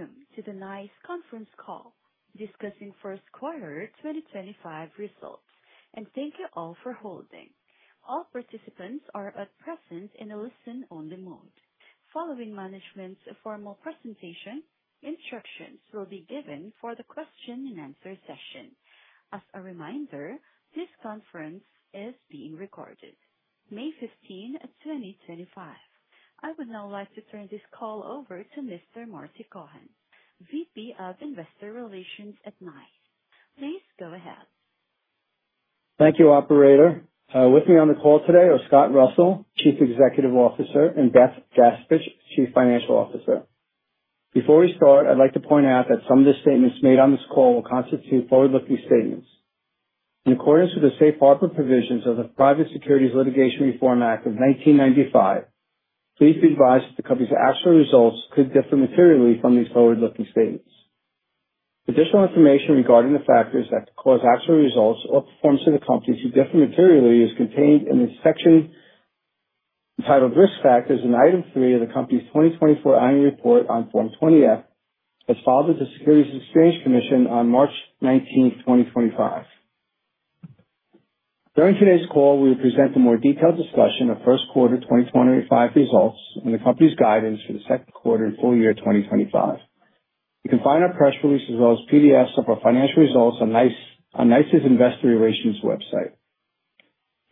Welcome to the NICE Conference Call, discussing First Quarter 2025 Results. Thank you all for holding. All participants are at present in a listen-only mode. Following management's formal presentation, instructions will be given for the question-and-answer session. As a reminder, this conference is being recorded. May 15th, 2025. I would now like to turn this call over to Mr. Marty Cohen, VP of Investor Relations at NICE. Please go ahead. Thank you, Operator. With me on the call today are Scott Russell, Chief Executive Officer, and Beth Gaspich, Chief Financial Officer. Before we start, I'd like to point out that some of the statements made on this call will constitute forward-looking statements. In accordance with the Safe Harbor Provisions of the Private Securities Litigation Reform Act of 1995, please be advised that the company's actual results could differ materially from these forward-looking statements. Additional information regarding the factors that could cause actual results or performance of the company to differ materially is contained in the section titled Risk Factors in Item 3 of the company's 2024 Annual Report on Form 20-F, as filed with the Securities Exchange Commission on March 19th, 2025. During today's call, we will present a more detailed discussion of first quarter 2025 results and the company's guidance for the second quarter and full year 2025. You can find our press release as well as PDFs of our financial results on NICE's Investor Relations website.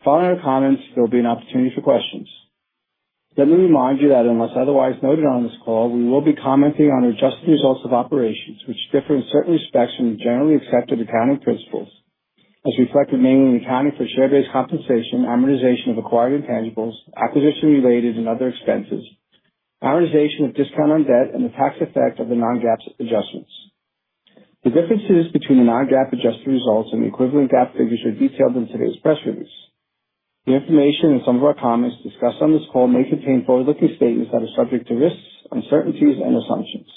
Following our comments, there will be an opportunity for questions. Let me remind you that unless otherwise noted on this call, we will be commenting on adjusted results of operations, which differ in certain respects from Generally Accepted Accounting Principles, as reflected mainly in accounting for share-based compensation, amortization of acquired intangibles, acquisition-related and other expenses, amortization of discount on debt, and the tax effect of the non-GAAP adjustments. The differences between the non-GAAP adjusted results and the equivalent GAAP figures are detailed in today's press release. The information in some of our comments discussed on this call may contain forward-looking statements that are subject to risks, uncertainties, and assumptions.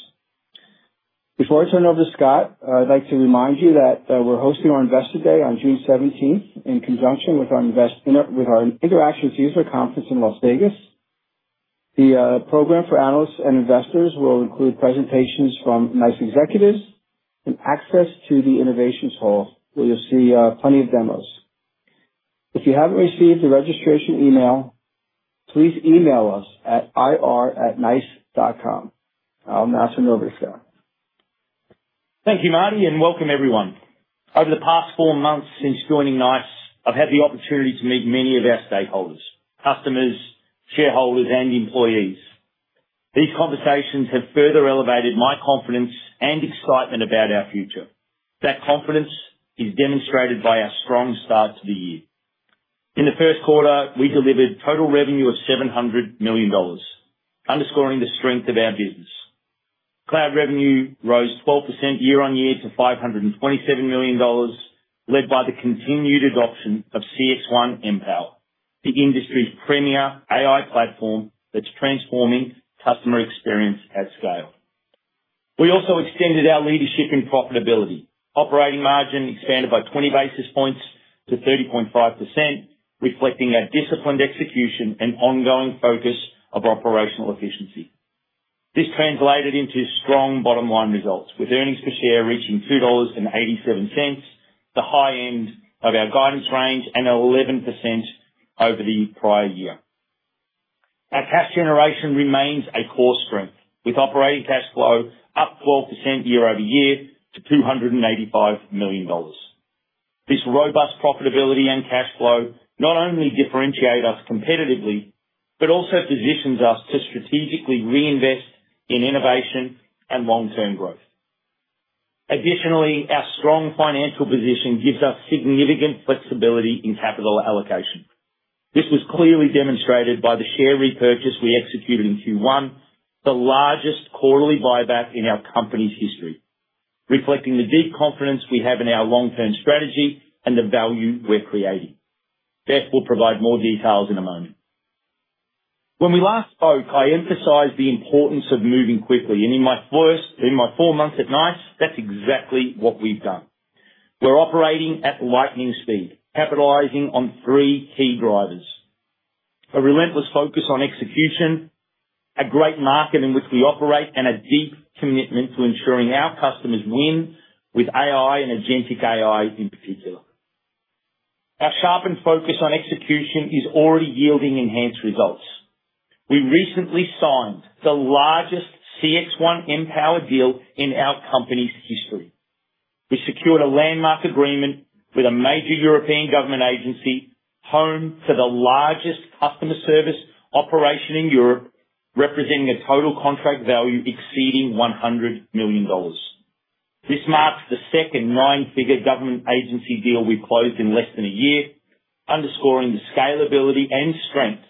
Before I turn it over to Scott, I'd like to remind you that we're hosting our Investor Day on June 17th in conjunction with our Interactions User Conference in Las Vegas. The program for analysts and investors will include presentations from NICE executives and access to the Innovations Hall, where you'll see plenty of demos. If you haven't received the registration email, please email us at ir@nice.com. I'll now turn it over to Scott. Thank you, Marty, and welcome, everyone. Over the past four months since joining NICE, I've had the opportunity to meet many of our stakeholders: customers, shareholders, and employees. These conversations have further elevated my confidence and excitement about our future. That confidence is demonstrated by our strong start to the year. In the first quarter, we delivered total revenue of $700 million, underscoring the strength of our business. Cloud revenue rose 12% year-on-year to $527 million, led by the continued adoption of CXone Mpower, the industry's premier AI platform that's transforming customer experience at scale. We also extended our leadership in profitability. Operating margin expanded by 20 basis points to 30.5%, reflecting our disciplined execution and ongoing focus on operational efficiency. This translated into strong bottom-line results, with earnings per share reaching $2.87, the high end of our guidance range, and 11% over the prior year. Our cash generation remains a core strength, with operating cash flow up 12% year-over-year to $285 million. This robust profitability and cash flow not only differentiate us competitively but also positions us to strategically reinvest in innovation and long-term growth. Additionally, our strong financial position gives us significant flexibility in capital allocation. This was clearly demonstrated by the share repurchase we executed in Q1, the largest quarterly buyback in our company's history, reflecting the deep confidence we have in our long-term strategy and the value we're creating. Beth will provide more details in a moment. When we last spoke, I emphasized the importance of moving quickly. In my four months at NICE, that's exactly what we've done. We're operating at lightning speed, capitalizing on three key drivers: a relentless focus on execution, a great market in which we operate, and a deep commitment to ensuring our customers win with AI and agentic AI in particular. Our sharpened focus on execution is already yielding enhanced results. We recently signed the largest CXone Mpower deal in our company's history. We secured a landmark agreement with a major European government agency home to the largest customer service operation in Europe, representing a total contract value exceeding $100 million. This marks the second nine-figure government agency deal we've closed in less than a year, underscoring the scalability and strength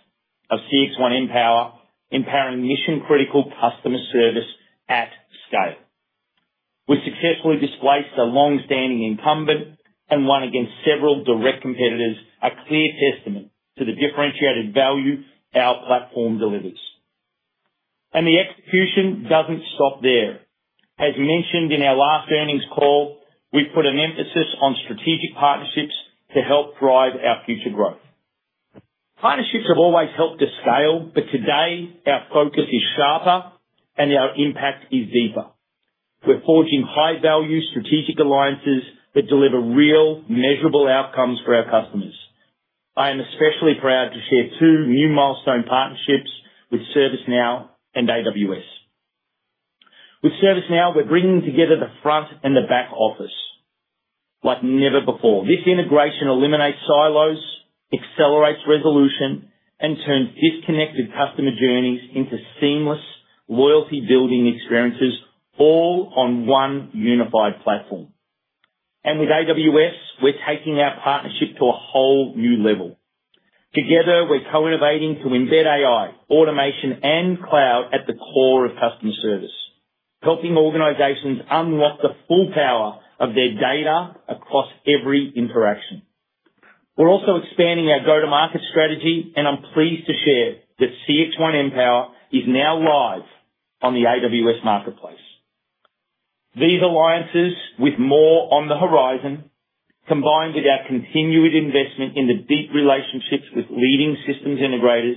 of CXone Mpower, empowering mission-critical customer service at scale. We've successfully displaced a long-standing incumbent and won against several direct competitors, a clear testament to the differentiated value our platform delivers. The execution doesn't stop there. As mentioned in our last earnings call, we've put an emphasis on strategic partnerships to help drive our future growth. Partnerships have always helped us scale, but today our focus is sharper and our impact is deeper. We're forging high-value strategic alliances that deliver real, measurable outcomes for our customers. I am especially proud to share two new milestone partnerships with ServiceNow and AWS. With ServiceNow, we're bringing together the front and the back office like never before. This integration eliminates silos, accelerates resolution, and turns disconnected customer journeys into seamless, loyalty-building experiences, all on one unified platform. With AWS, we're taking our partnership to a whole new level. Together, we're co-innovating to embed AI, automation, and cloud at the core of customer service, helping organizations unlock the full power of their data across every interaction. We're also expanding our go-to-market strategy, and I'm pleased to share that CXone Mpower is now live on the AWS Marketplace. These alliances, with more on the horizon, combined with our continued investment in the deep relationships with leading systems integrators,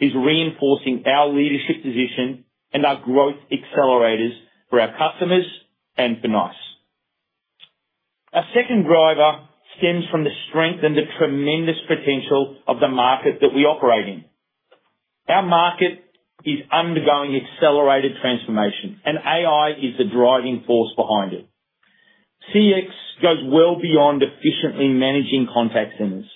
are reinforcing our leadership position and our growth accelerators for our customers and for NICE. Our second driver stems from the strength and the tremendous potential of the market that we operate in. Our market is undergoing accelerated transformation, and AI is the driving force behind it. CX goes well beyond efficiently managing contact centers.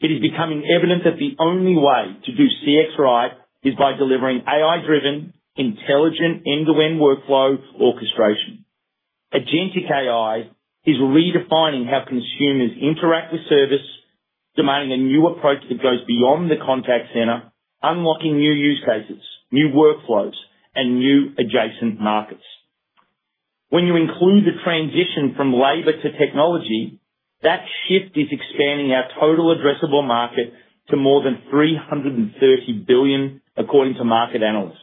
It is becoming evident that the only way to do CX right is by delivering AI-driven, intelligent end-to-end workflow orchestration. Agentic AI is redefining how consumers interact with service, demanding a new approach that goes beyond the contact center, unlocking new use cases, new workflows, and new adjacent markets. When you include the transition from labor to technology, that shift is expanding our total addressable market to more than $330 billion, according to market analysts.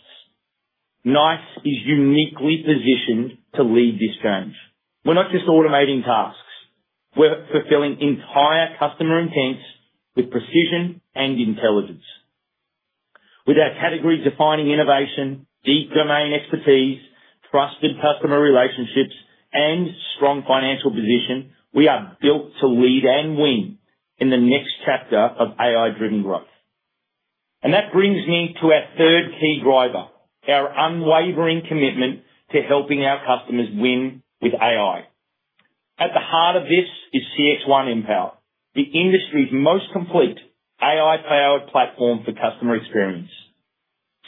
NICE is uniquely positioned to lead this change. We're not just automating tasks. We're fulfilling entire customer intents with precision and intelligence. With our category-defining innovation, deep domain expertise, trusted customer relationships, and strong financial position, we are built to lead and win in the next chapter of AI-driven growth. That brings me to our third key driver: our unwavering commitment to helping our customers win with AI. At the heart of this is CXone Mpower, the industry's most complete AI-powered platform for customer experience.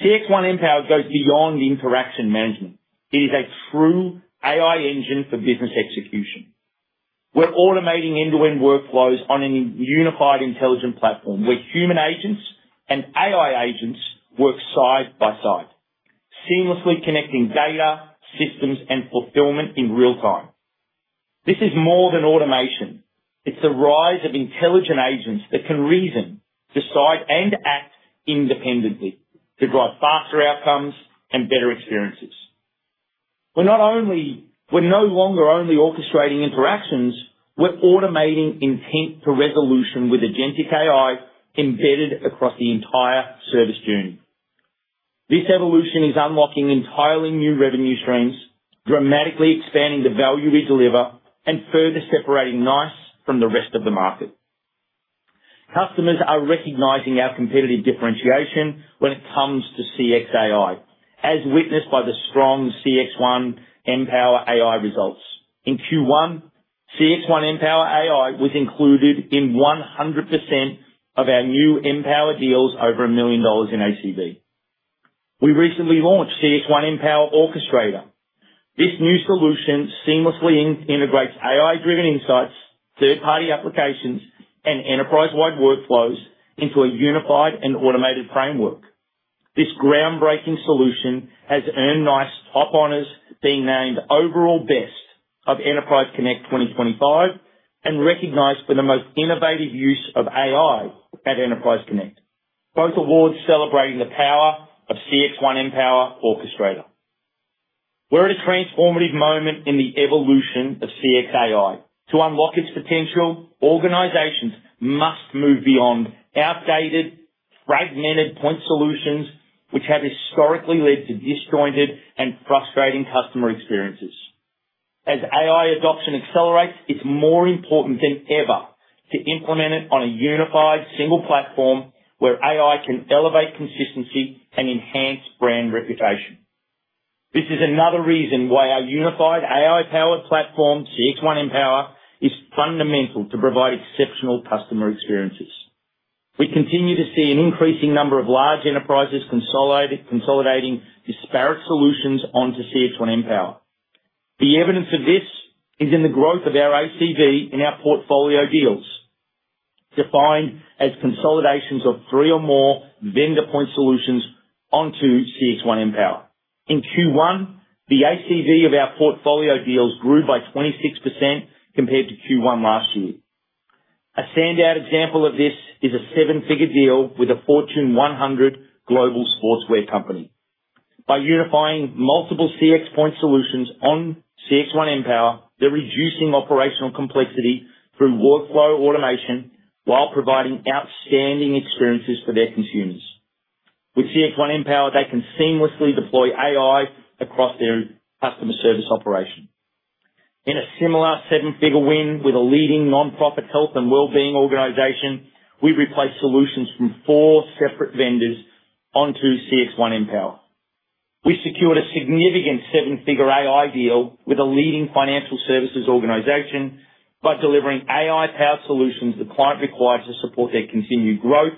CXone Mpower goes beyond interaction management. It is a true AI engine for business execution. We're automating end-to-end workflows on a unified intelligent platform where human agents and AI agents work side by side, seamlessly connecting data, systems, and fulfillment in real time. This is more than automation. It's the rise of intelligent agents that can reason, decide, and act independently to drive faster outcomes and better experiences. We're no longer only orchestrating interactions. We're automating intent-to-resolution with agentic AI embedded across the entire service journey. This evolution is unlocking entirely new revenue streams, dramatically expanding the value we deliver, and further separating NICE from the rest of the market. Customers are recognizing our competitive differentiation when it comes to CX AI, as witnessed by the strong CXone Mpower AI results. In Q1, CXone Mpower AI was included in 100% of our new Mpower deals over $1 million in ACV. We recently launched CXone Mpower Orchestrator. This new solution seamlessly integrates AI-driven insights, third-party applications, and enterprise-wide workflows into a unified and automated framework. This groundbreaking solution has earned NICE top honors being named Overall Best of Enterprise Connect 2025 and recognized for the most innovative use of AI at Enterprise Connect, both awards celebrating the power of CXone Mpower Orchestrator. We're at a transformative moment in the evolution of CX AI. To unlock its potential, organizations must move beyond outdated, fragmented point solutions, which have historically led to disjointed and frustrating customer experiences. As AI adoption accelerates, it's more important than ever to implement it on a unified, single platform where AI can elevate consistency and enhance brand reputation. This is another reason why our unified AI-powered platform, CXone Mpower, is fundamental to provide exceptional customer experiences. We continue to see an increasing number of large enterprises consolidating disparate solutions onto CXone Mpower. The evidence of this is in the growth of our ACV in our portfolio deals, defined as consolidations of three or more vendor point solutions onto CXone Mpower. In Q1, the ACV of our portfolio deals grew by 26% compared to Q1 last year. A standout example of this is a seven-figure deal with a Fortune 100 global sportswear company. By unifying multiple CX point solutions on CXone Mpower, they're reducing operational complexity through workflow automation while providing outstanding experiences for their consumers. With CXone Mpower, they can seamlessly deploy AI across their customer service operation. In a similar seven-figure win with a leading nonprofit health and well-being organization, we've replaced solutions from four separate vendors onto CXone Mpower. We secured a significant seven-figure AI deal with a leading financial services organization by delivering AI-powered solutions the client requires to support their continued growth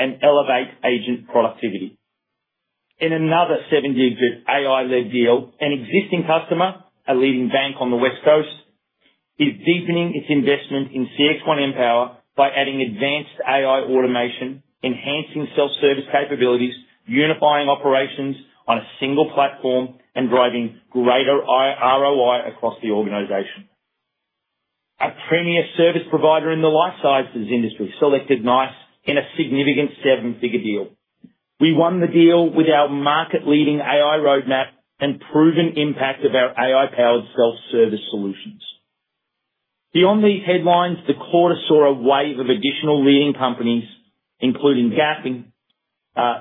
and elevate agent productivity. In another seven-digit AI-led deal, an existing customer, a leading bank on the West Coast, is deepening its investment in CXone Mpower by adding advanced AI automation, enhancing self-service capabilities, unifying operations on a single platform, and driving greater ROI across the organization. A premier service provider in the life sciences industry selected NICE in a significant seven-figure deal. We won the deal with our market-leading AI roadmap and proven impact of our AI-powered self-service solutions. Beyond these headlines, the quarter saw a wave of additional leading companies, including Gap Inc.,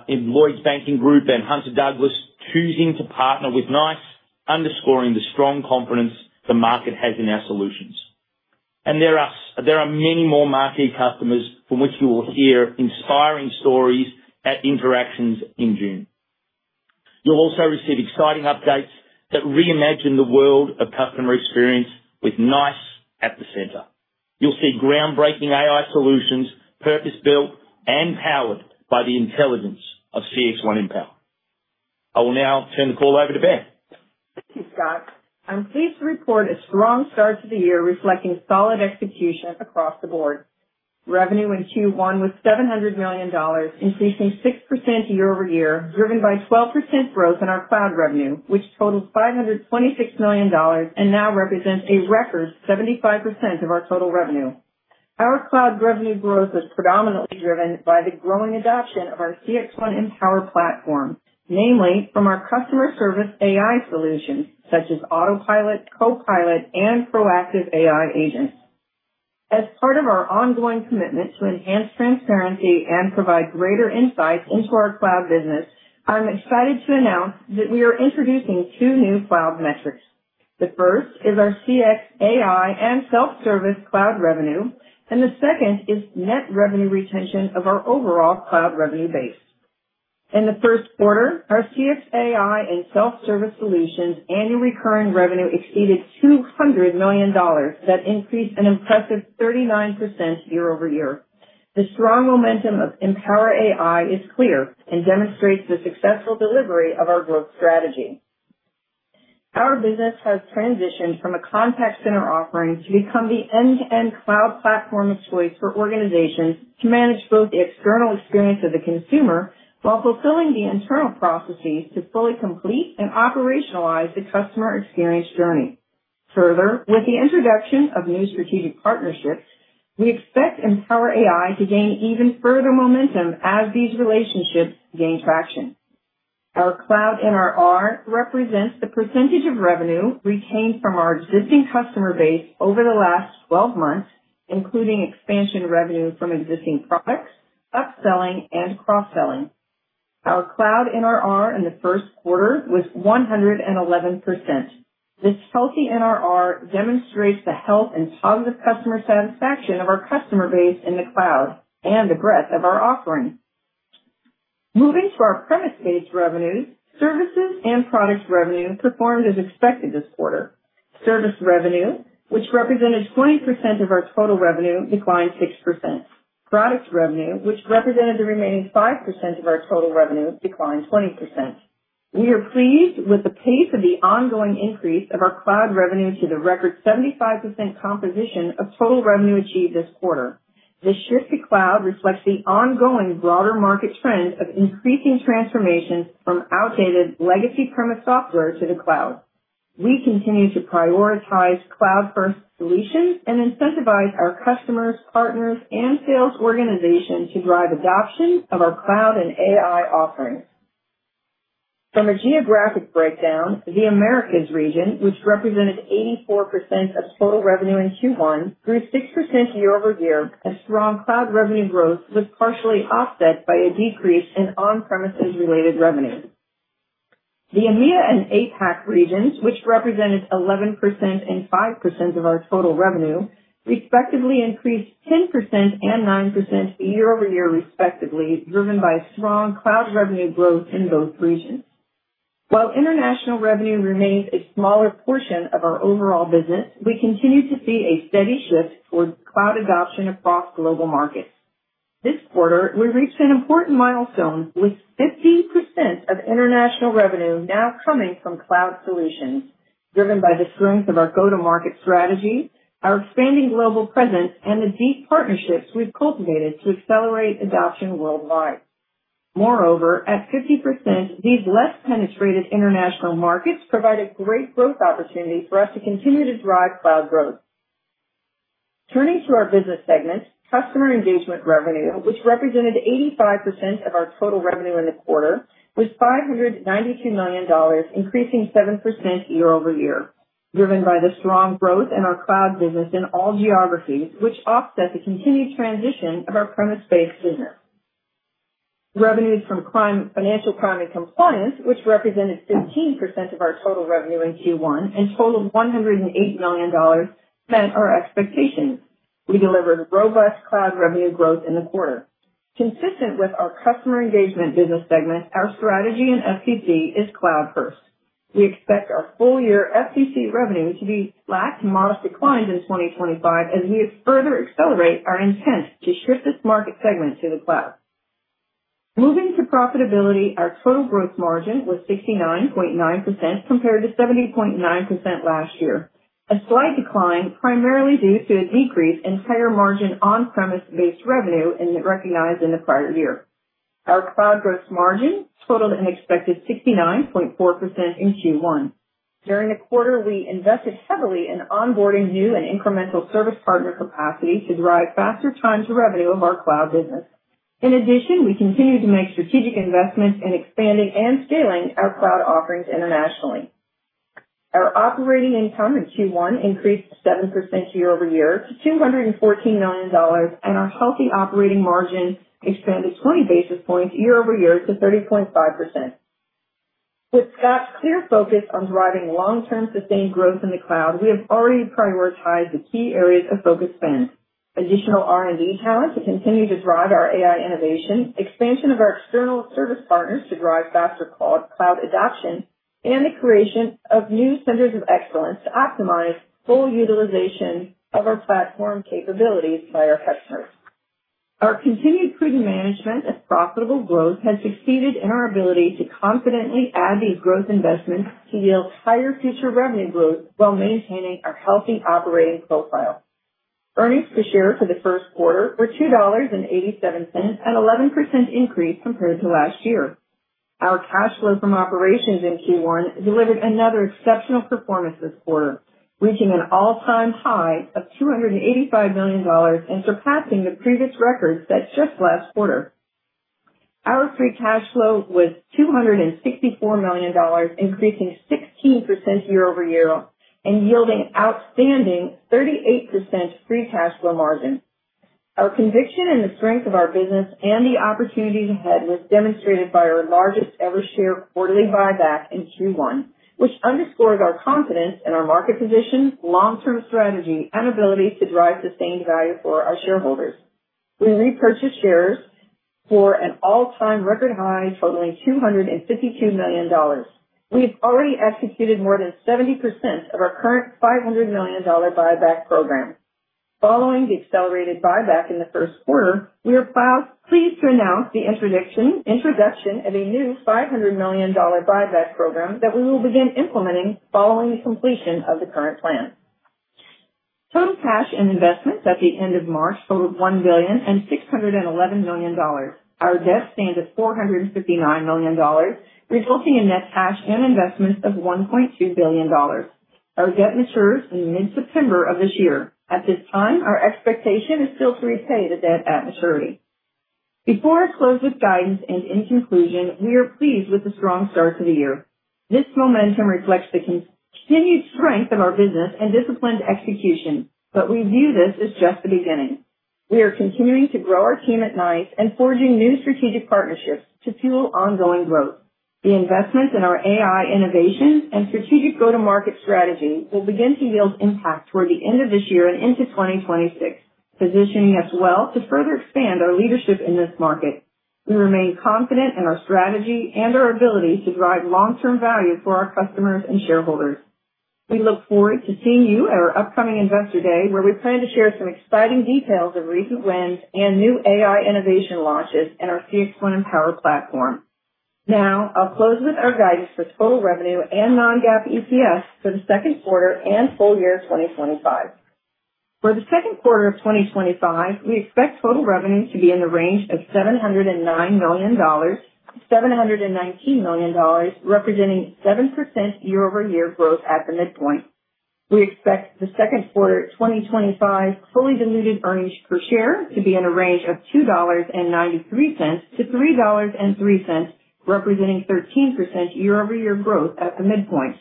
Lloyds Banking Group, and Hunter Douglas, choosing to partner with NICE, underscoring the strong confidence the market has in our solutions. There are many more marquee customers from which you will hear inspiring stories at Interactions in June. You will also receive exciting updates that reimagine the world of customer experience with NICE at the center. You'll see groundbreaking AI solutions purpose-built and powered by the intelligence of CXone Mpower. I will now turn the call over to Beth. Thank you, Scott. I'm pleased to report a strong start to the year reflecting solid execution across the board. Revenue in Q1 was $700 million, increasing 6% year-over-year, driven by 12% growth in our cloud revenue, which totals $526 million and now represents a record 75% of our total revenue. Our cloud revenue growth was predominantly driven by the growing adoption of our CXone Mpower platform, namely from our customer service AI solutions such as Autopilot, Copilot, and Proactive AI Agents. As part of our ongoing commitment to enhance transparency and provide greater insights into our cloud business, I'm excited to announce that we are introducing two new cloud metrics. The first is our CX AI and self-service cloud revenue, and the second is net revenue retention of our overall cloud revenue base. In the first quarter, our CX AI and self-service solutions' annual recurring revenue exceeded $200 million. That increased an impressive 39% year-over-year. The strong momentum of Mpower AI is clear and demonstrates the successful delivery of our growth strategy. Our business has transitioned from a contact center offering to become the end-to-end cloud platform of choice for organizations to manage both the external experience of the consumer while fulfilling the internal processes to fully complete and operationalize the customer experience journey. Further, with the introduction of new strategic partnerships, we expect Mpower AI to gain even further momentum as these relationships gain traction. Our cloud NRR represents the percentage of revenue retained from our existing customer base over the last 12 months, including expansion revenue from existing products, upselling, and cross-selling. Our cloud NRR in the first quarter was 111%. This healthy NRR demonstrates the health and positive customer satisfaction of our customer base in the cloud and the breadth of our offering. Moving to our premise-based revenues, services and product revenue performed as expected this quarter. Service revenue, which represented 20% of our total revenue, declined 6%. Product revenue, which represented the remaining 5% of our total revenue, declined 20%. We are pleased with the pace of the ongoing increase of our cloud revenue to the record 75% composition of total revenue achieved this quarter. This shift to cloud reflects the ongoing broader market trend of increasing transformations from outdated legacy premise software to the cloud. We continue to prioritize cloud-first solutions and incentivize our customers, partners, and sales organizations to drive adoption of our cloud and AI offerings. From a geographic breakdown, the Americas region, which represented 84% of total revenue in Q1, grew 6% year-over-year, as strong cloud revenue growth was partially offset by a decrease in on-premises-related revenue. The EMEA and APAC regions, which represented 11% and 5% of our total revenue, respectively, increased 10% and 9% year-over-year, respectively, driven by strong cloud revenue growth in both regions. While international revenue remains a smaller portion of our overall business, we continue to see a steady shift toward cloud adoption across global markets. This quarter, we reached an important milestone with 50% of international revenue now coming from cloud solutions, driven by the strength of our go-to-market strategy, our expanding global presence, and the deep partnerships we've cultivated to accelerate adoption worldwide. Moreover, at 50%, these less-penetrated international markets provide a great growth opportunity for us to continue to drive cloud growth. Turning to our business segment, customer engagement revenue, which represented 85% of our total revenue in the quarter, was $592 million, increasing 7% year-over-year, driven by the strong growth in our cloud business in all geographies, which offset the continued transition of our premise-based business. Revenues from financial crime and compliance, which represented 15% of our total revenue in Q1 and totaled $108 million, met our expectations. We delivered robust cloud revenue growth in the quarter. Consistent with our customer engagement business segment, our strategy in FCC is cloud-first. We expect our full-year FCC revenue to be slight to modest declines in 2025 as we further accelerate our intent to shift this market segment to the cloud. Moving to profitability, our total gross margin was 69.9% compared to 70.9% last year, a slight decline primarily due to a decrease in higher margin on-premise-based revenue recognized in the prior year. Our cloud gross margin totaled an expected 69.4% in Q1. During the quarter, we invested heavily in onboarding new and incremental service partner capacity to drive faster time-to-revenue of our cloud business. In addition, we continue to make strategic investments in expanding and scaling our cloud offerings internationally. Our operating income in Q1 increased 7% year-over-year to $214 million, and our healthy operating margin expanded 20 basis points year-over-year to 30.5%. With Scott's clear focus on driving long-term sustained growth in the cloud, we have already prioritized the key areas of focus spend: additional R&D talent to continue to drive our AI innovation, expansion of our external service partners to drive faster cloud adoption, and the creation of new centers of excellence to optimize full utilization of our platform capabilities by our customers. Our continued prudent management and profitable growth have succeeded in our ability to confidently add these growth investments to yield higher future revenue growth while maintaining our healthy operating profile. Earnings per share for the first quarter were $2.87, an 11% increase compared to last year. Our cash flow from operations in Q1 delivered another exceptional performance this quarter, reaching an all-time high of $285 million and surpassing the previous record set just last quarter. Our free cash flow was $264 million, increasing 16% year-over-year and yielding outstanding 38% free cash flow margin. Our conviction in the strength of our business and the opportunities ahead was demonstrated by our largest ever share quarterly buyback in Q1, which underscores our confidence in our market position, long-term strategy, and ability to drive sustained value for our shareholders. We repurchased shares for an all-time record high totaling $252 million. We have already executed more than 70% of our current $500 million buyback program. Following the accelerated buyback in the first quarter, we are pleased to announce the introduction of a new $500 million buyback program that we will begin implementing following the completion of the current plan. Total cash and investments at the end of March totaled $1.611 billion. Our debt stands at $459 million, resulting in net cash and investments of $1.2 billion. Our debt matures in mid-September of this year. At this time, our expectation is still to repay the debt at maturity. Before I close with guidance and in conclusion, we are pleased with the strong start to the year. This momentum reflects the continued strength of our business and disciplined execution. We view this as just the beginning. We are continuing to grow our team at NICE and forging new strategic partnerships to fuel ongoing growth. The investments in our AI innovations and strategic go-to-market strategy will begin to yield impact toward the end of this year and into 2026, positioning us well to further expand our leadership in this market. We remain confident in our strategy and our ability to drive long-term value for our customers and shareholders. We look forward to seeing you at our upcoming investor day, where we plan to share some exciting details of recent wins and new AI innovation launches in our CXone Mpower platform. Now, I'll close with our guidance for total revenue and non-GAAP EPS for the second quarter and full year 2025. For the second quarter of 2025, we expect total revenue to be in the range of $709 million-$719 million, representing 7% year-over-year growth at the midpoint. We expect the second quarter of 2025 fully diluted earnings per share to be in the range of $2.93-$3.03, representing 13% year-over-year growth at the midpoint.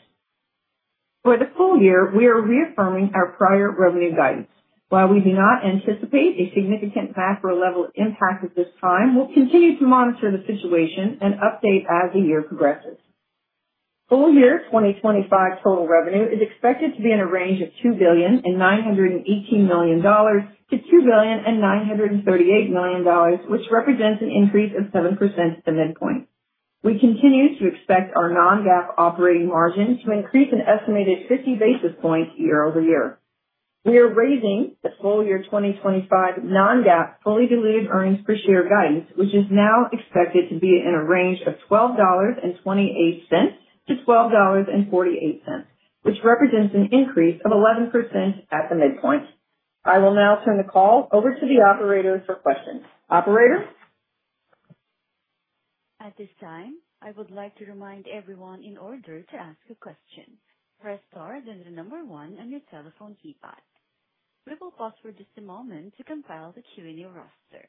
For the full year, we are reaffirming our prior revenue guidance. While we do not anticipate a significant macro-level impact at this time, we'll continue to monitor the situation and update as the year progresses. Full year 2025 total revenue is expected to be in a range of $2.918 billion-$2.938 billion, which represents an increase of 7% at the midpoint. We continue to expect our non-GAAP operating margin to increase an estimated 50 basis points year-over-year. We are raising the full year 2025 non-GAAP fully diluted earnings per share guidance, which is now expected to be in a range of $12.28-$12.48, which represents an increase of 11% at the midpoint. I will now turn the call over to the operators for questions. Operator? At this time, I would like to remind everyone in order to ask a question, press star then the number one on your telephone keypad. We will pause for just a moment to compile the Q&A roster.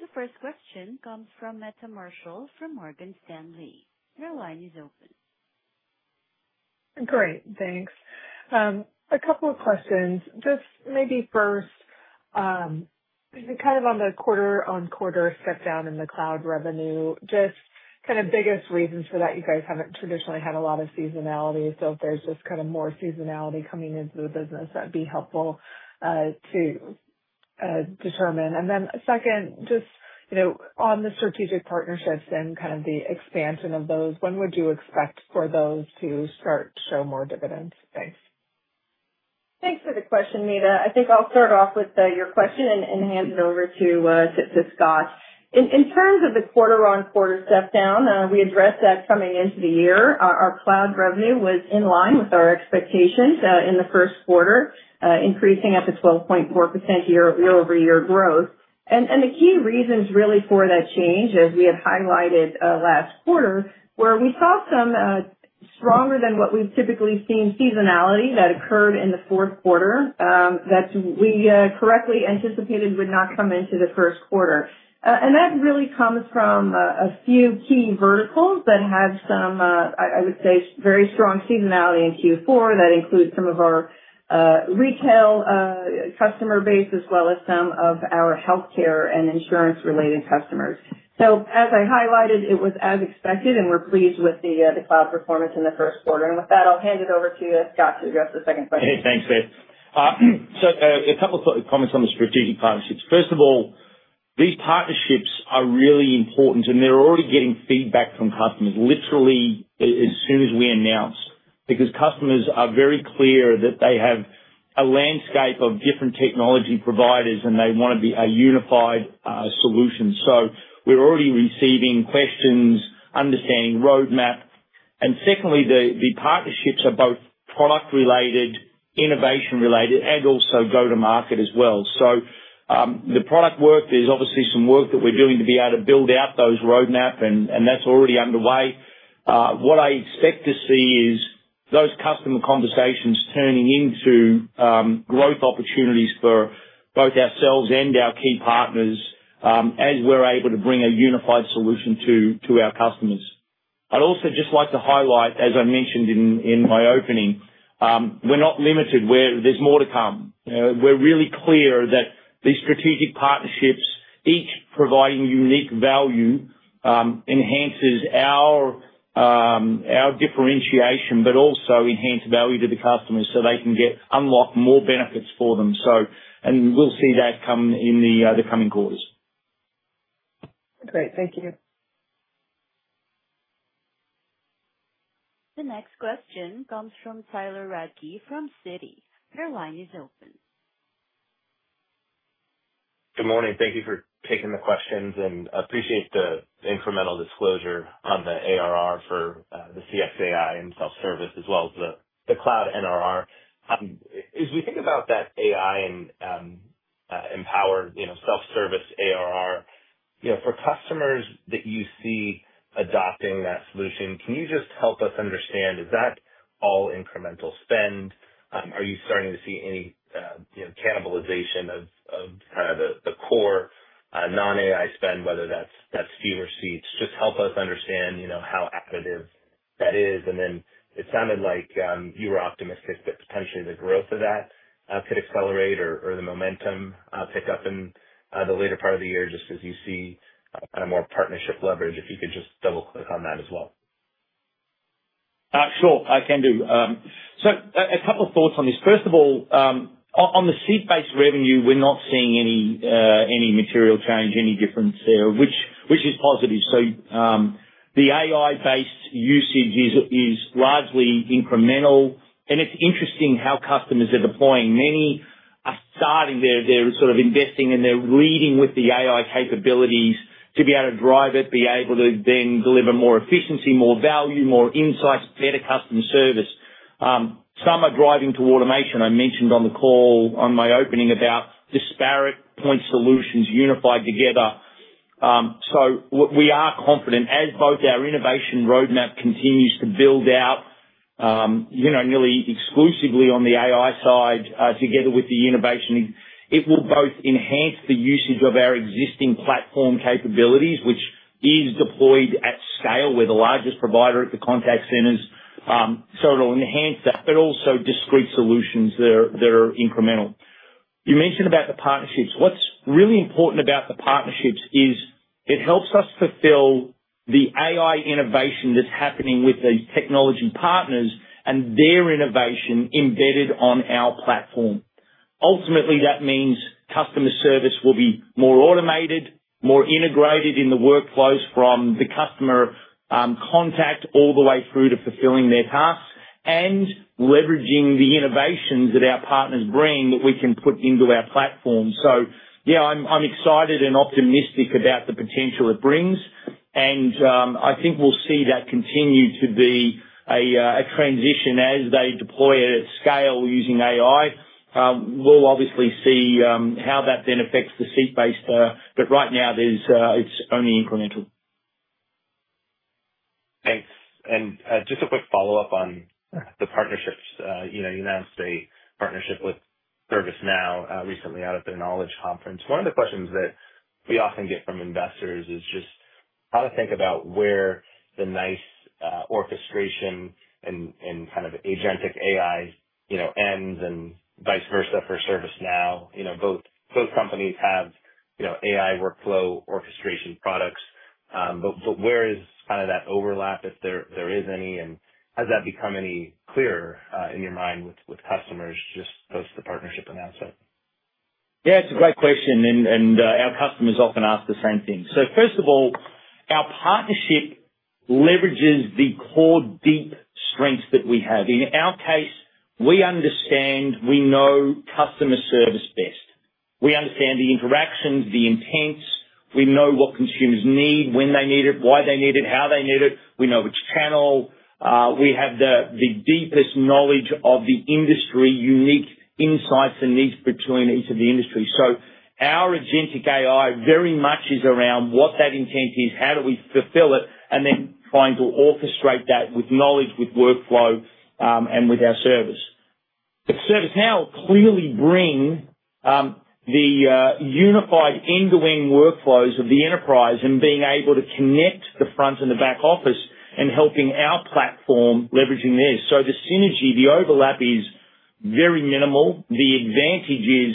The first question comes from Meta Marshall from Morgan Stanley. Your line is open. Great. Thanks. A couple of questions. Just maybe first, kind of on the quarter-on-quarter step down in the cloud revenue, just kind of biggest reasons for that. You guys haven't traditionally had a lot of seasonality. If there's just kind of more seasonality coming into the business, that'd be helpful to determine. Then second, just on the strategic partnerships and kind of the expansion of those, when would you expect for those to start to show more dividends? Thanks. Thanks for the question, Meta. I think I'll start off with your question and hand it over to Scott. In terms of the quarter-on-quarter step down, we addressed that coming into the year. Our cloud revenue was in line with our expectations in the first quarter, increasing up to 12.4% year-over-year growth. The key reasons really for that change, as we had highlighted last quarter, were we saw some stronger than what we've typically seen seasonality that occurred in the fourth quarter that we correctly anticipated would not come into the first quarter. That really comes from a few key verticals that have some, I would say, very strong seasonality in Q4 that includes some of our retail customer base as well as some of our healthcare and insurance-related customers. As I highlighted, it was as expected, and we're pleased with the cloud performance in the first quarter. With that, I'll hand it over to Scott to address the second question. Hey, thanks, Beth. A couple of comments on the strategic partnerships. First of all, these partnerships are really important, and they're already getting feedback from customers literally as soon as we announced because customers are very clear that they have a landscape of different technology providers, and they want to be a unified solution. We're already receiving questions, understanding roadmap. Secondly, the partnerships are both product-related, innovation-related, and also go-to-market as well. The product work, there's obviously some work that we're doing to be able to build out those roadmap, and that's already underway. What I expect to see is those customer conversations turning into growth opportunities for both ourselves and our key partners as we're able to bring a unified solution to our customers. I'd also just like to highlight, as I mentioned in my opening, we're not limited. There's more to come. We're really clear that these strategic partnerships, each providing unique value, enhance our differentiation, but also enhance value to the customers so they can unlock more benefits for them. We'll see that come in the coming quarters. Great. Thank you. The next question comes from Tyler Radke from Citi. Your line is open. Good morning. Thank you for taking the questions, and I appreciate the incremental disclosure on the ARR for the CX AI and self-service as well as the cloud NRR. As we think about that AI and empowered self-service ARR, for customers that you see adopting that solution, can you just help us understand, is that all incremental spend? Are you starting to see any cannibalization of kind of the core non-AI spend, whether that's few receipts? Just help us understand how additive that is. It sounded like you were optimistic that potentially the growth of that could accelerate or the momentum pick up in the later part of the year just as you see kind of more partnership leverage. If you could just double-click on that as well. Sure. I can do. A couple of thoughts on this. First of all, on the seat-based revenue, we're not seeing any material change, any difference there, which is positive. The AI-based usage is largely incremental, and it's interesting how customers are deploying. Many are starting. They're sort of investing, and they're leading with the AI capabilities to be able to drive it, be able to then deliver more efficiency, more value, more insights, better customer service. Some are driving to automation. I mentioned on the call in my opening about disparate point solutions unified together. We are confident as both our innovation roadmap continues to build out nearly exclusively on the AI side together with the innovation, it will both enhance the usage of our existing platform capabilities, which is deployed at scale with the largest provider at the contact centers. It will enhance that, but also discrete solutions that are incremental. You mentioned about the partnerships. What's really important about the partnerships is it helps us fulfill the AI innovation that's happening with the technology partners and their innovation embedded on our platform. Ultimately, that means customer service will be more automated, more integrated in the workflows from the customer contact all the way through to fulfilling their tasks and leveraging the innovations that our partners bring that we can put into our platform. Yeah, I'm excited and optimistic about the potential it brings. I think we'll see that continue to be a transition as they deploy at scale using AI. We'll obviously see how that then affects the seat-based, but right now, it's only incremental. Thanks. Just a quick follow-up on the partnerships. You announced a partnership with ServiceNow recently out at their Knowledge conference. One of the questions that we often get from investors is just how to think about where the NICE orchestration and kind of agentic AI ends and vice versa for ServiceNow. Both companies have AI workflow orchestration products. Where is kind of that overlap, if there is any? Has that become any clearer in your mind with customers just post the partnership announcement? Yeah, it's a great question. Our customers often ask the same thing. First of all, our partnership leverages the core deep strengths that we have. In our case, we understand, we know customer service best. We understand the interactions, the intents. We know what consumers need, when they need it, why they need it, how they need it. We know which channel. We have the deepest knowledge of the industry, unique insights and needs between each of the industries. So our agentic AI very much is around what that intent is, how do we fulfill it, and then trying to orchestrate that with knowledge, with workflow, and with our service. ServiceNow clearly brings the unified end-to-end workflows of the enterprise and being able to connect the front and the back office and helping our platform leveraging this. The synergy, the overlap is very minimal. The advantage is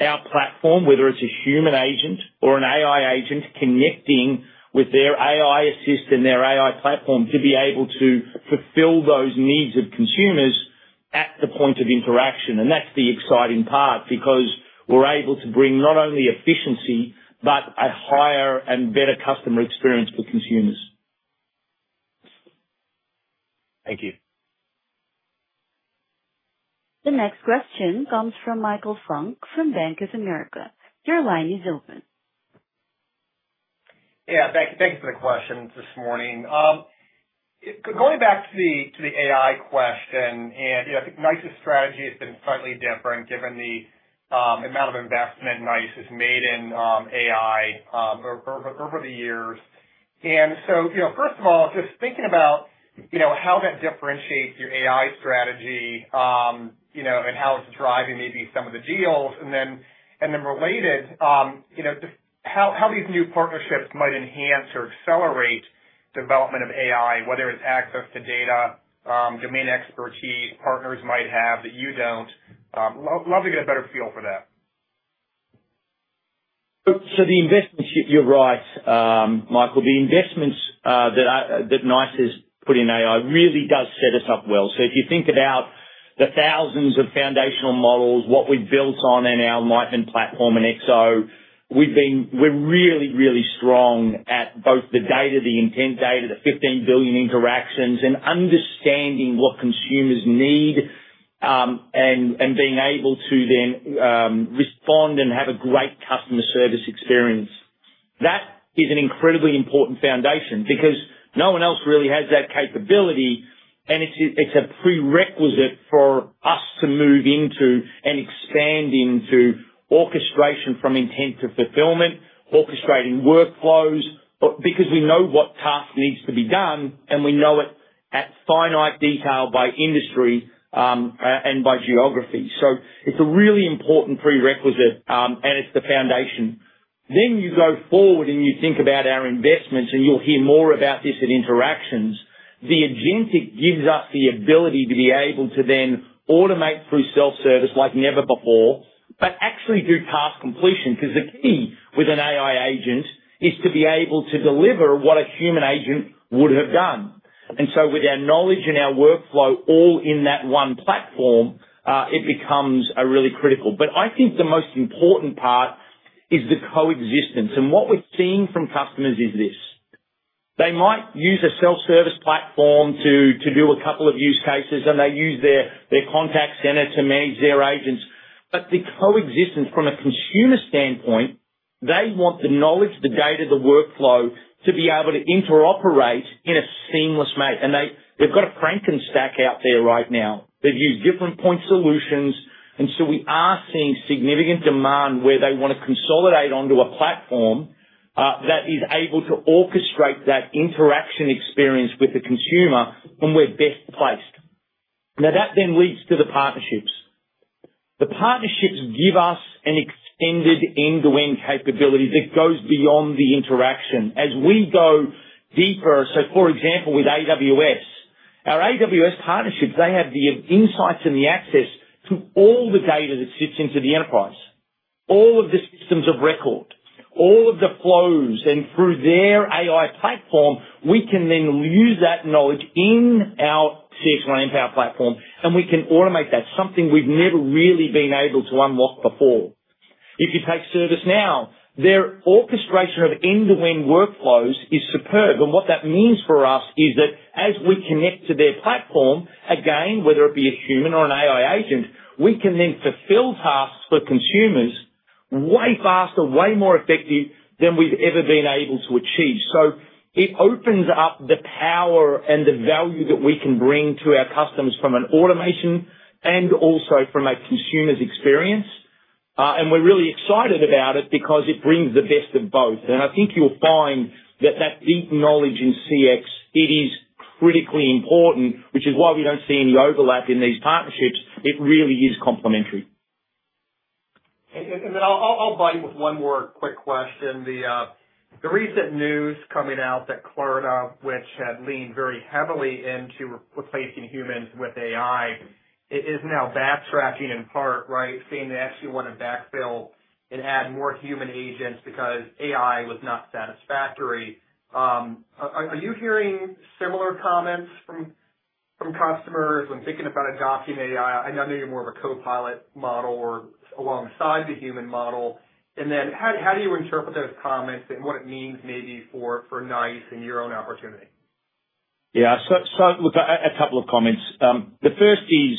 our platform, whether it's a human agent or an AI agent, connecting with their AI assist and their AI platform to be able to fulfill those needs of consumers at the point of interaction. That's the exciting part because we're able to bring not only efficiency, but a higher and better customer experience for consumers. Thank you. The next question comes from Michael Funk from Bank of America. Your line is open. Yeah, thank you for the question this morning. Going back to the AI question, and I think NICE's strategy has been slightly different given the amount of investment NICE has made in AI over the years. First of all, just thinking about how that differentiates your AI strategy and how it's driving maybe some of the deals, and then related to how these new partnerships might enhance or accelerate development of AI, whether it's access to data, domain expertise, partners might have that you don't. Love to get a better feel for that. The investments, you're right, Michael. The investments that NICE has put in AI really does set us up well. If you think about the thousands of foundational models, what we've built on in our Enlightment Platform and XO, we're really, really strong at both the data, the intent data, the 15 billion interactions, and understanding what consumers need and being able to then respond and have a great customer service experience. That is an incredibly important foundation because no one else really has that capability, and it's a prerequisite for us to move into and expand into orchestration from intent to fulfillment, orchestrating workflows because we know what task needs to be done, and we know it at finite detail by industry and by geography. It is a really important prerequisite, and it's the foundation. You go forward and you think about our investments, and you'll hear more about this in Interactions. The Agentic gives us the ability to be able to then automate through self-service like never before, but actually do task completion because the key with an AI agent is to be able to deliver what a human agent would have done. With our knowledge and our workflow all in that one platform, it becomes really critical. I think the most important part is the coexistence. What we're seeing from customers is this. They might use a self-service platform to do a couple of use cases, and they use their contact center to manage their agents. The coexistence from a consumer standpoint, they want the knowledge, the data, the workflow to be able to interoperate in a seamless way. They've got a Frankenstack out there right now. They've used different point solutions. We are seeing significant demand where they want to consolidate onto a platform that is able to orchestrate that interaction experience with the consumer, and we're best placed. That then leads to the partnerships. The partnerships give us an extended end-to-end capability that goes beyond the interaction. As we go deeper, for example, with AWS, our AWS partnerships, they have the insights and the access to all the data that sits into the enterprise, all of the systems of record, all of the flows. Through their AI platform, we can then use that knowledge in our CXone Mpower platform, and we can automate that, something we've never really been able to unlock before. If you take ServiceNow, their orchestration of end-to-end workflows is superb. What that means for us is that as we connect to their platform, again, whether it be a human or an AI agent, we can then fulfill tasks for consumers way faster, way more effective than we've ever been able to achieve. It opens up the power and the value that we can bring to our customers from an automation and also from a consumer's experience. We're really excited about it because it brings the best of both. I think you'll find that that deep knowledge in CX, it is critically important, which is why we don't see any overlap in these partnerships. It really is complementary. I'll bind with one more quick question. The recent news coming out that Claude, which had leaned very heavily into replacing humans with AI, is now backtracking in part, right? Saying they actually want to backfill and add more human agents because AI was not satisfactory. Are you hearing similar comments from customers when thinking about adopting AI? I know you're more of a co-pilot model or alongside the human model. How do you interpret those comments and what it means maybe for NICE and your own opportunity? Yeah. A couple of comments. The first is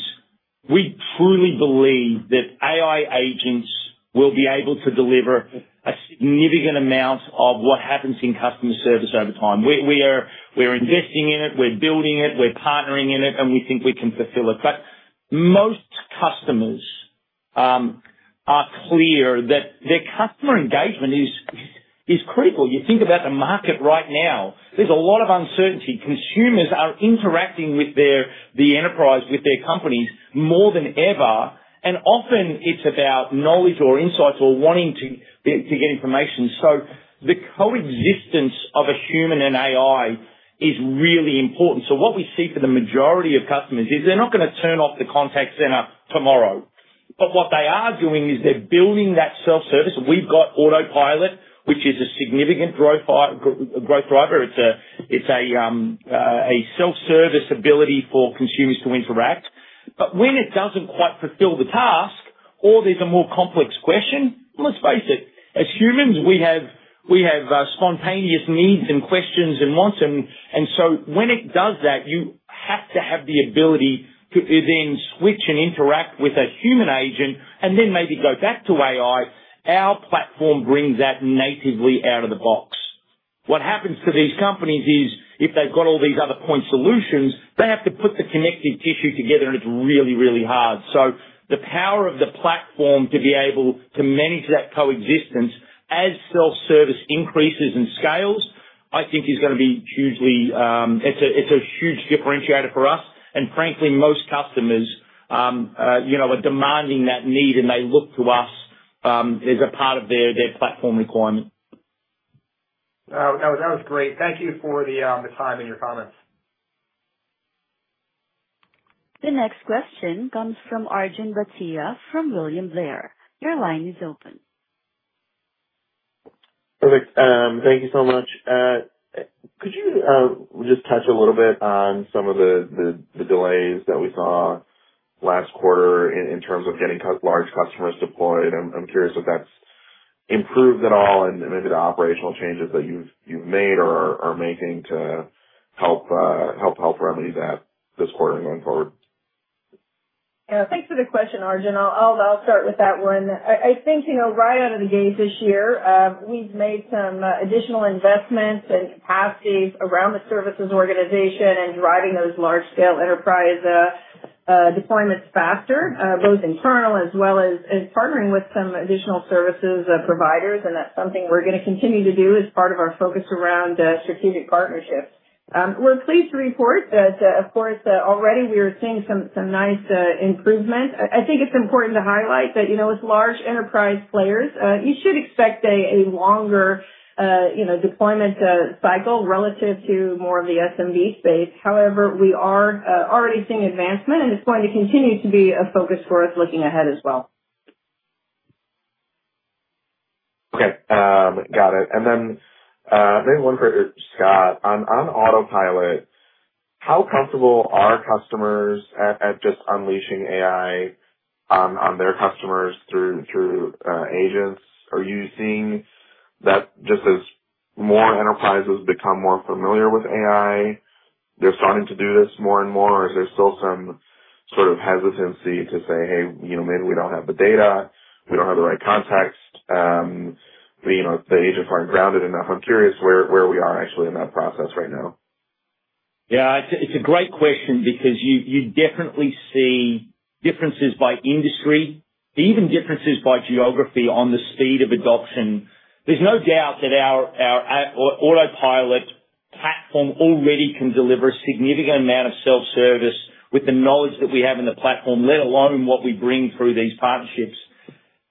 we truly believe that AI agents will be able to deliver a significant amount of what happens in customer service over time. We're investing in it. We're building it. We're partnering in it, and we think we can fulfill it. Most customers are clear that their customer engagement is critical. You think about the market right now. There's a lot of uncertainty. Consumers are interacting with the enterprise, with their companies more than ever. Often it's about knowledge or insights or wanting to get information. The coexistence of a human and AI is really important. What we see for the majority of customers is they're not going to turn off the contact center tomorrow. What they are doing is they're building that self-service. We've got Autopilot, which is a significant growth driver. It's a self-service ability for consumers to interact. When it doesn't quite fulfill the task, or there's a more complex question, let's face it, as humans, we have spontaneous needs and questions and wants. When it does that, you have to have the ability to then switch and interact with a human agent and then maybe go back to AI. Our platform brings that natively out of the box. What happens to these companies is if they've got all these other point solutions, they have to put the connective tissue together, and it's really, really hard. The power of the platform to be able to manage that coexistence as self-service increases and scales, I think, is going to be huge. It's a huge differentiator for us. Frankly, most customers are demanding that need, and they look to us as a part of their platform requirement. That was great. Thank you for the time and your comments. The next question comes from Arjun Bhatia from William Blair. Your line is open. Perfect. Thank you so much. Could you just touch a little bit on some of the delays that we saw last quarter in terms of getting large customers deployed? I'm curious if that's improved at all and maybe the operational changes that you've made or are making to help remedy that this quarter and going forward. Yeah. Thanks for the question, Arjun. I'll start with that one. I think right out of the gate this year, we've made some additional investments and capacities around the services organization and driving those large-scale enterprise deployments faster, both internal as well as partnering with some additional services providers. That's something we're going to continue to do as part of our focus around strategic partnerships. We're pleased to report that, of course, already we are seeing some NICE improvement. I think it's important to highlight that with large enterprise players, you should expect a longer deployment cycle relative to more of the SMB space. However, we are already seeing advancement, and it's going to continue to be a focus for us looking ahead as well. Okay. Got it. And then maybe one for Scott. On Autopilot, how comfortable are customers at just unleashing AI on their customers through agents? Are you seeing that just as more enterprises become more familiar with AI, they're starting to do this more and more? Or is there still some sort of hesitancy to say, "Hey, maybe we don't have the data. We don't have the right context. The agents aren't grounded enough." I'm curious where we are actually in that process right now. Yeah. It's a great question because you definitely see differences by industry, even differences by geography on the speed of adoption. There's no doubt that our Autopilot platform already can deliver a significant amount of self-service with the knowledge that we have in the platform, let alone what we bring through these partnerships.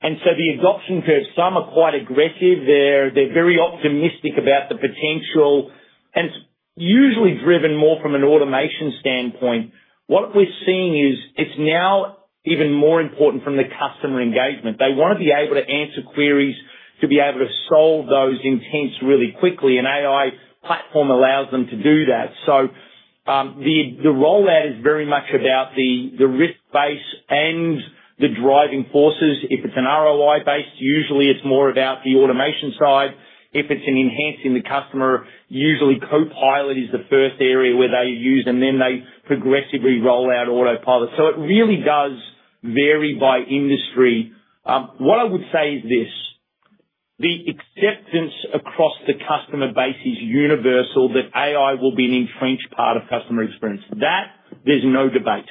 The adoption curves, some are quite aggressive. They're very optimistic about the potential and usually driven more from an automation standpoint. What we're seeing is it's now even more important from the customer engagement. They want to be able to answer queries to be able to solve those intents really quickly. An AI platform allows them to do that. The rollout is very much about the risk base and the driving forces. If it's an ROI based, usually it's more about the automation side. If it's an enhancing the customer, usually Copilot is the first area where they use, and then they progressively roll out Autopilot. It really does vary by industry. What I would say is this: the acceptance across the customer base is universal that AI will be an entrenched part of customer experience. There's no debate.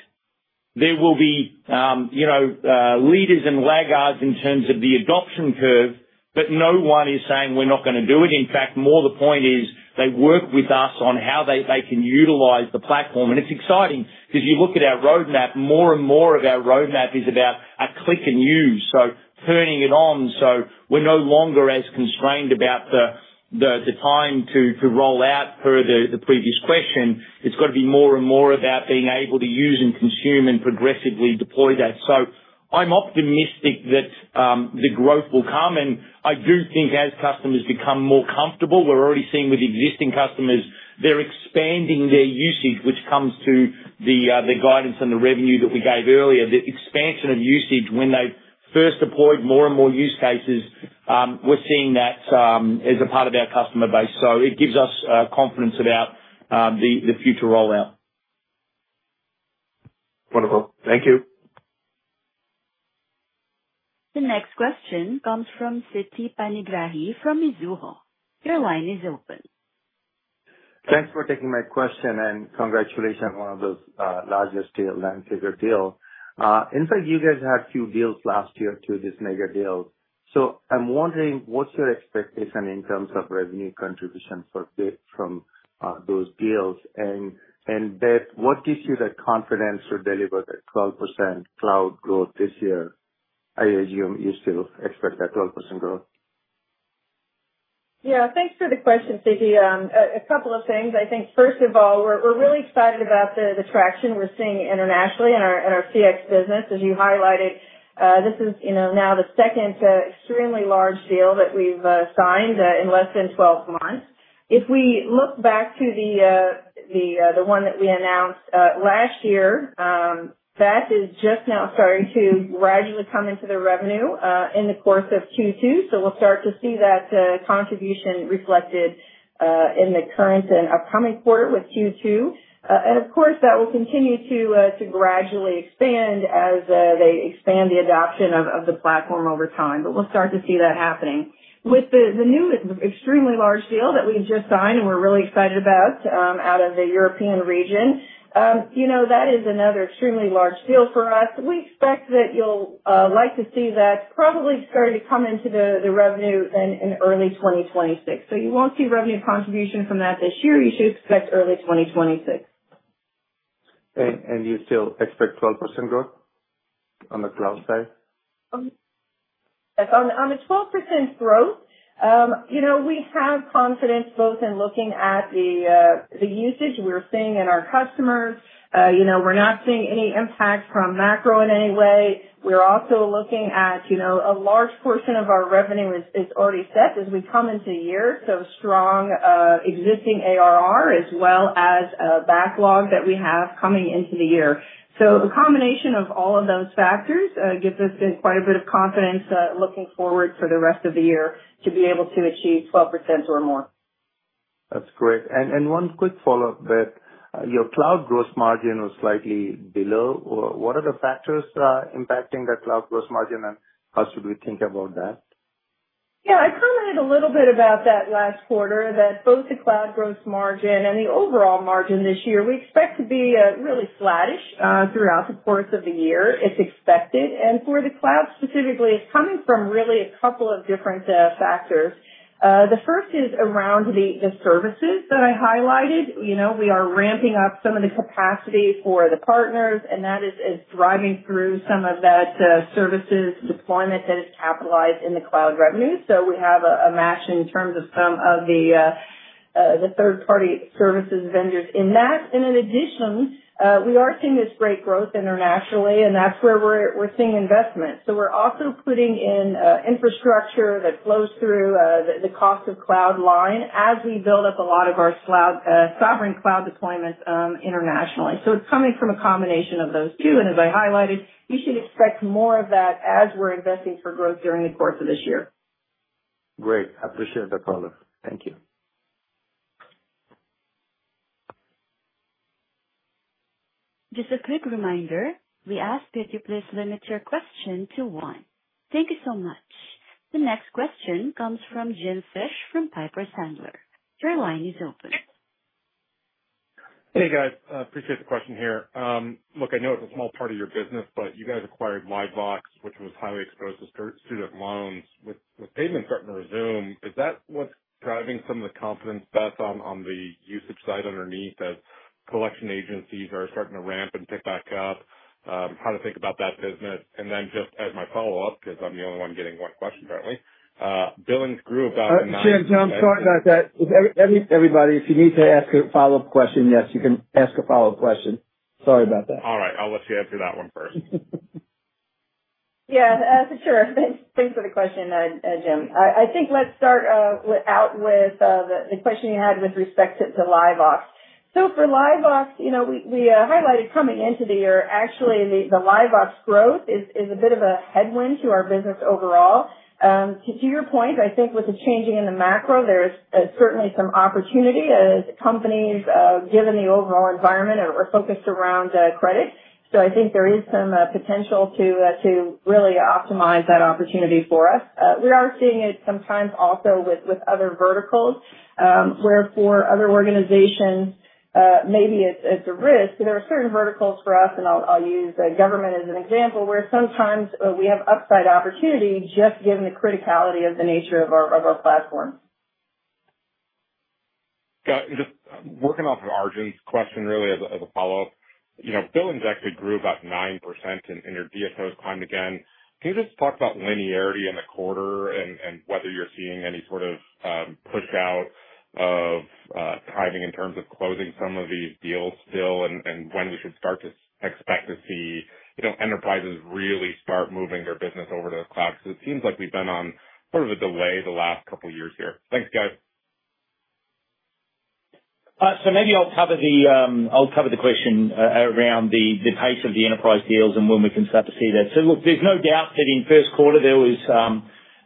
There will be leaders and laggards in terms of the adoption curve, but no one is saying, "We're not going to do it." In fact, more the point is they work with us on how they can utilize the platform. It's exciting because you look at our roadmap, more and more of our roadmap is about a click and use, turning it on. We're no longer as constrained about the time to roll out per the previous question. It's got to be more and more about being able to use and consume and progressively deploy that. I'm optimistic that the growth will come. I do think as customers become more comfortable, we're already seeing with existing customers, they're expanding their usage, which comes to the guidance and the revenue that we gave earlier, the expansion of usage when they've first deployed more and more use cases. We're seeing that as a part of our customer base. It gives us confidence about the future rollout. Wonderful. Thank you. The next question comes from Siti Panigrahi from Mizuho. Your line is open. Thanks for taking my question and congratulations on one of those larger-scale landscaper deals. In fact, you guys had a few deals last year too, this mega deal. I'm wondering what's your expectation in terms of revenue contribution from those deals? Beth, what gives you the confidence to deliver that 12% cloud growth this year? I assume you still expect that 12% growth. Yeah. Thanks for the question, Siti. A couple of things. I think, first of all, we're really excited about the traction we're seeing internationally in our CX business. As you highlighted, this is now the second extremely large deal that we've signed in less than 12 months. If we look back to the one that we announced last year, that is just now starting to gradually come into the revenue in the course of Q2. We'll start to see that contribution reflected in the current and upcoming quarter with Q2. Of course, that will continue to gradually expand as they expand the adoption of the platform over time. We'll start to see that happening. With the new extremely large deal that we've just signed and we're really excited about out of the European region, that is another extremely large deal for us. We expect that you'll like to see that probably starting to come into the revenue in early 2026. You won't see revenue contribution from that this year. You should expect early 2026. You still expect 12% growth on the cloud side? Yes. On the 12% growth, we have confidence both in looking at the usage we're seeing in our customers. We're not seeing any impact from macro in any way. We're also looking at a large portion of our revenue is already set as we come into the year, strong existing ARR as well as backlog that we have coming into the year. A combination of all of those factors gives us quite a bit of confidence looking forward for the rest of the year to be able to achieve 12% or more. That's great. One quick follow-up, Beth. Your cloud gross margin was slightly below. What are the factors impacting that cloud gross margin, and how should we think about that? Yeah. I commented a little bit about that last quarter, that both the cloud gross margin and the overall margin this year, we expect to be really flattish throughout the course of the year. It's expected. For the cloud specifically, it's coming from really a couple of different factors. The first is around the services that I highlighted. We are ramping up some of the capacity for the partners, and that is driving through some of that services deployment that is capitalized in the cloud revenue. We have a match in terms of some of the third-party services vendors in that. In addition, we are seeing this great growth internationally, and that's where we're seeing investment. We are also putting in infrastructure that flows through the cost of cloud line as we build up a lot of our sovereign cloud deployments internationally. It's coming from a combination of those two. As I highlighted, we should expect more of that as we're investing for growth during the course of this year. Great. I appreciate the follow-up. Thank you. Just a quick reminder, we ask that you please limit your question to one. Thank you so much. The next question comes from Jim Fish from Piper Sandler. Your line is open. Hey, guys. Appreciate the question here. Look, I know it's a small part of your business, but you guys acquired LiveVox, which was highly exposed to student loans. With payments starting to resume, is that what's driving some of the confidence, Beth, on the usage side underneath as collection agencies are starting to ramp and pick back up? How to think about that business? And then just as my follow-up, because I'm the only one getting one question currently, billings grew about 90%. Jim, sorry about that. Everybody, if you need to ask a follow-up question, yes, you can ask a follow-up question. Sorry about that. All right. I'll let you answer that one first. Yeah. For sure. Thanks for the question, Jim. I think let's start out with the question you had with respect to LiveVox. For LiveVox, we highlighted coming into the year, actually, the LiveVox growth is a bit of a headwind to our business overall. To your point, I think with the changing in the macro, there is certainly some opportunity as companies, given the overall environment, are focused around credit. I think there is some potential to really optimize that opportunity for us. We are seeing it sometimes also with other verticals where for other organizations, maybe it's a risk. There are certain verticals for us, and I'll use government as an example, where sometimes we have upside opportunity just given the criticality of the nature of our platform. Got it. Just working off of Arjun's question, really, as a follow-up, billings actually grew about 9%, and your DSOs climbed again. Can you just talk about linearity in the quarter and whether you're seeing any sort of push out of timing in terms of closing some of these deals still and when we should start to expect to see enterprises really start moving their business over to the cloud? Because it seems like we've been on sort of a delay the last couple of years here. Thanks, guys. Maybe I'll cover the question around the pace of the enterprise deals and when we can start to see that. Look, there's no doubt that in first quarter,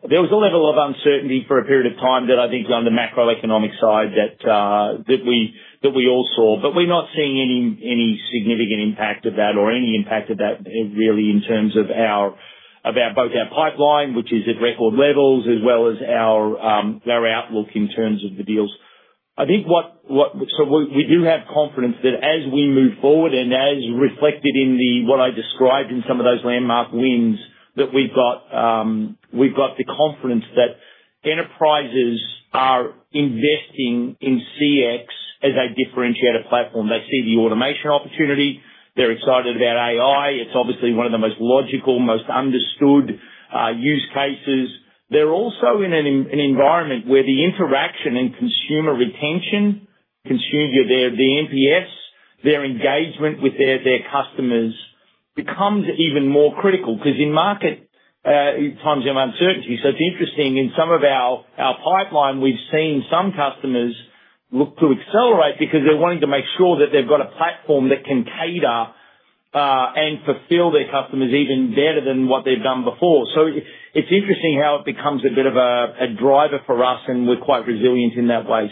there was a level of uncertainty for a period of time that I think on the macroeconomic side that we all saw. We're not seeing any significant impact of that or any impact of that really in terms of both our pipeline, which is at record levels, as well as our outlook in terms of the deals. I think we do have confidence that as we move forward and as reflected in what I described in some of those landmark wins that we've got, we've got the confidence that enterprises are investing in CX as a differentiator platform. They see the automation opportunity. They're excited about AI. It's obviously one of the most logical, most understood use cases. They're also in an environment where the interaction and consumer retention, the NPS, their engagement with their customers becomes even more critical because in market times of uncertainty. It's interesting. In some of our pipeline, we've seen some customers look to accelerate because they're wanting to make sure that they've got a platform that can cater and fulfill their customers even better than what they've done before. It's interesting how it becomes a bit of a driver for us, and we're quite resilient in that way.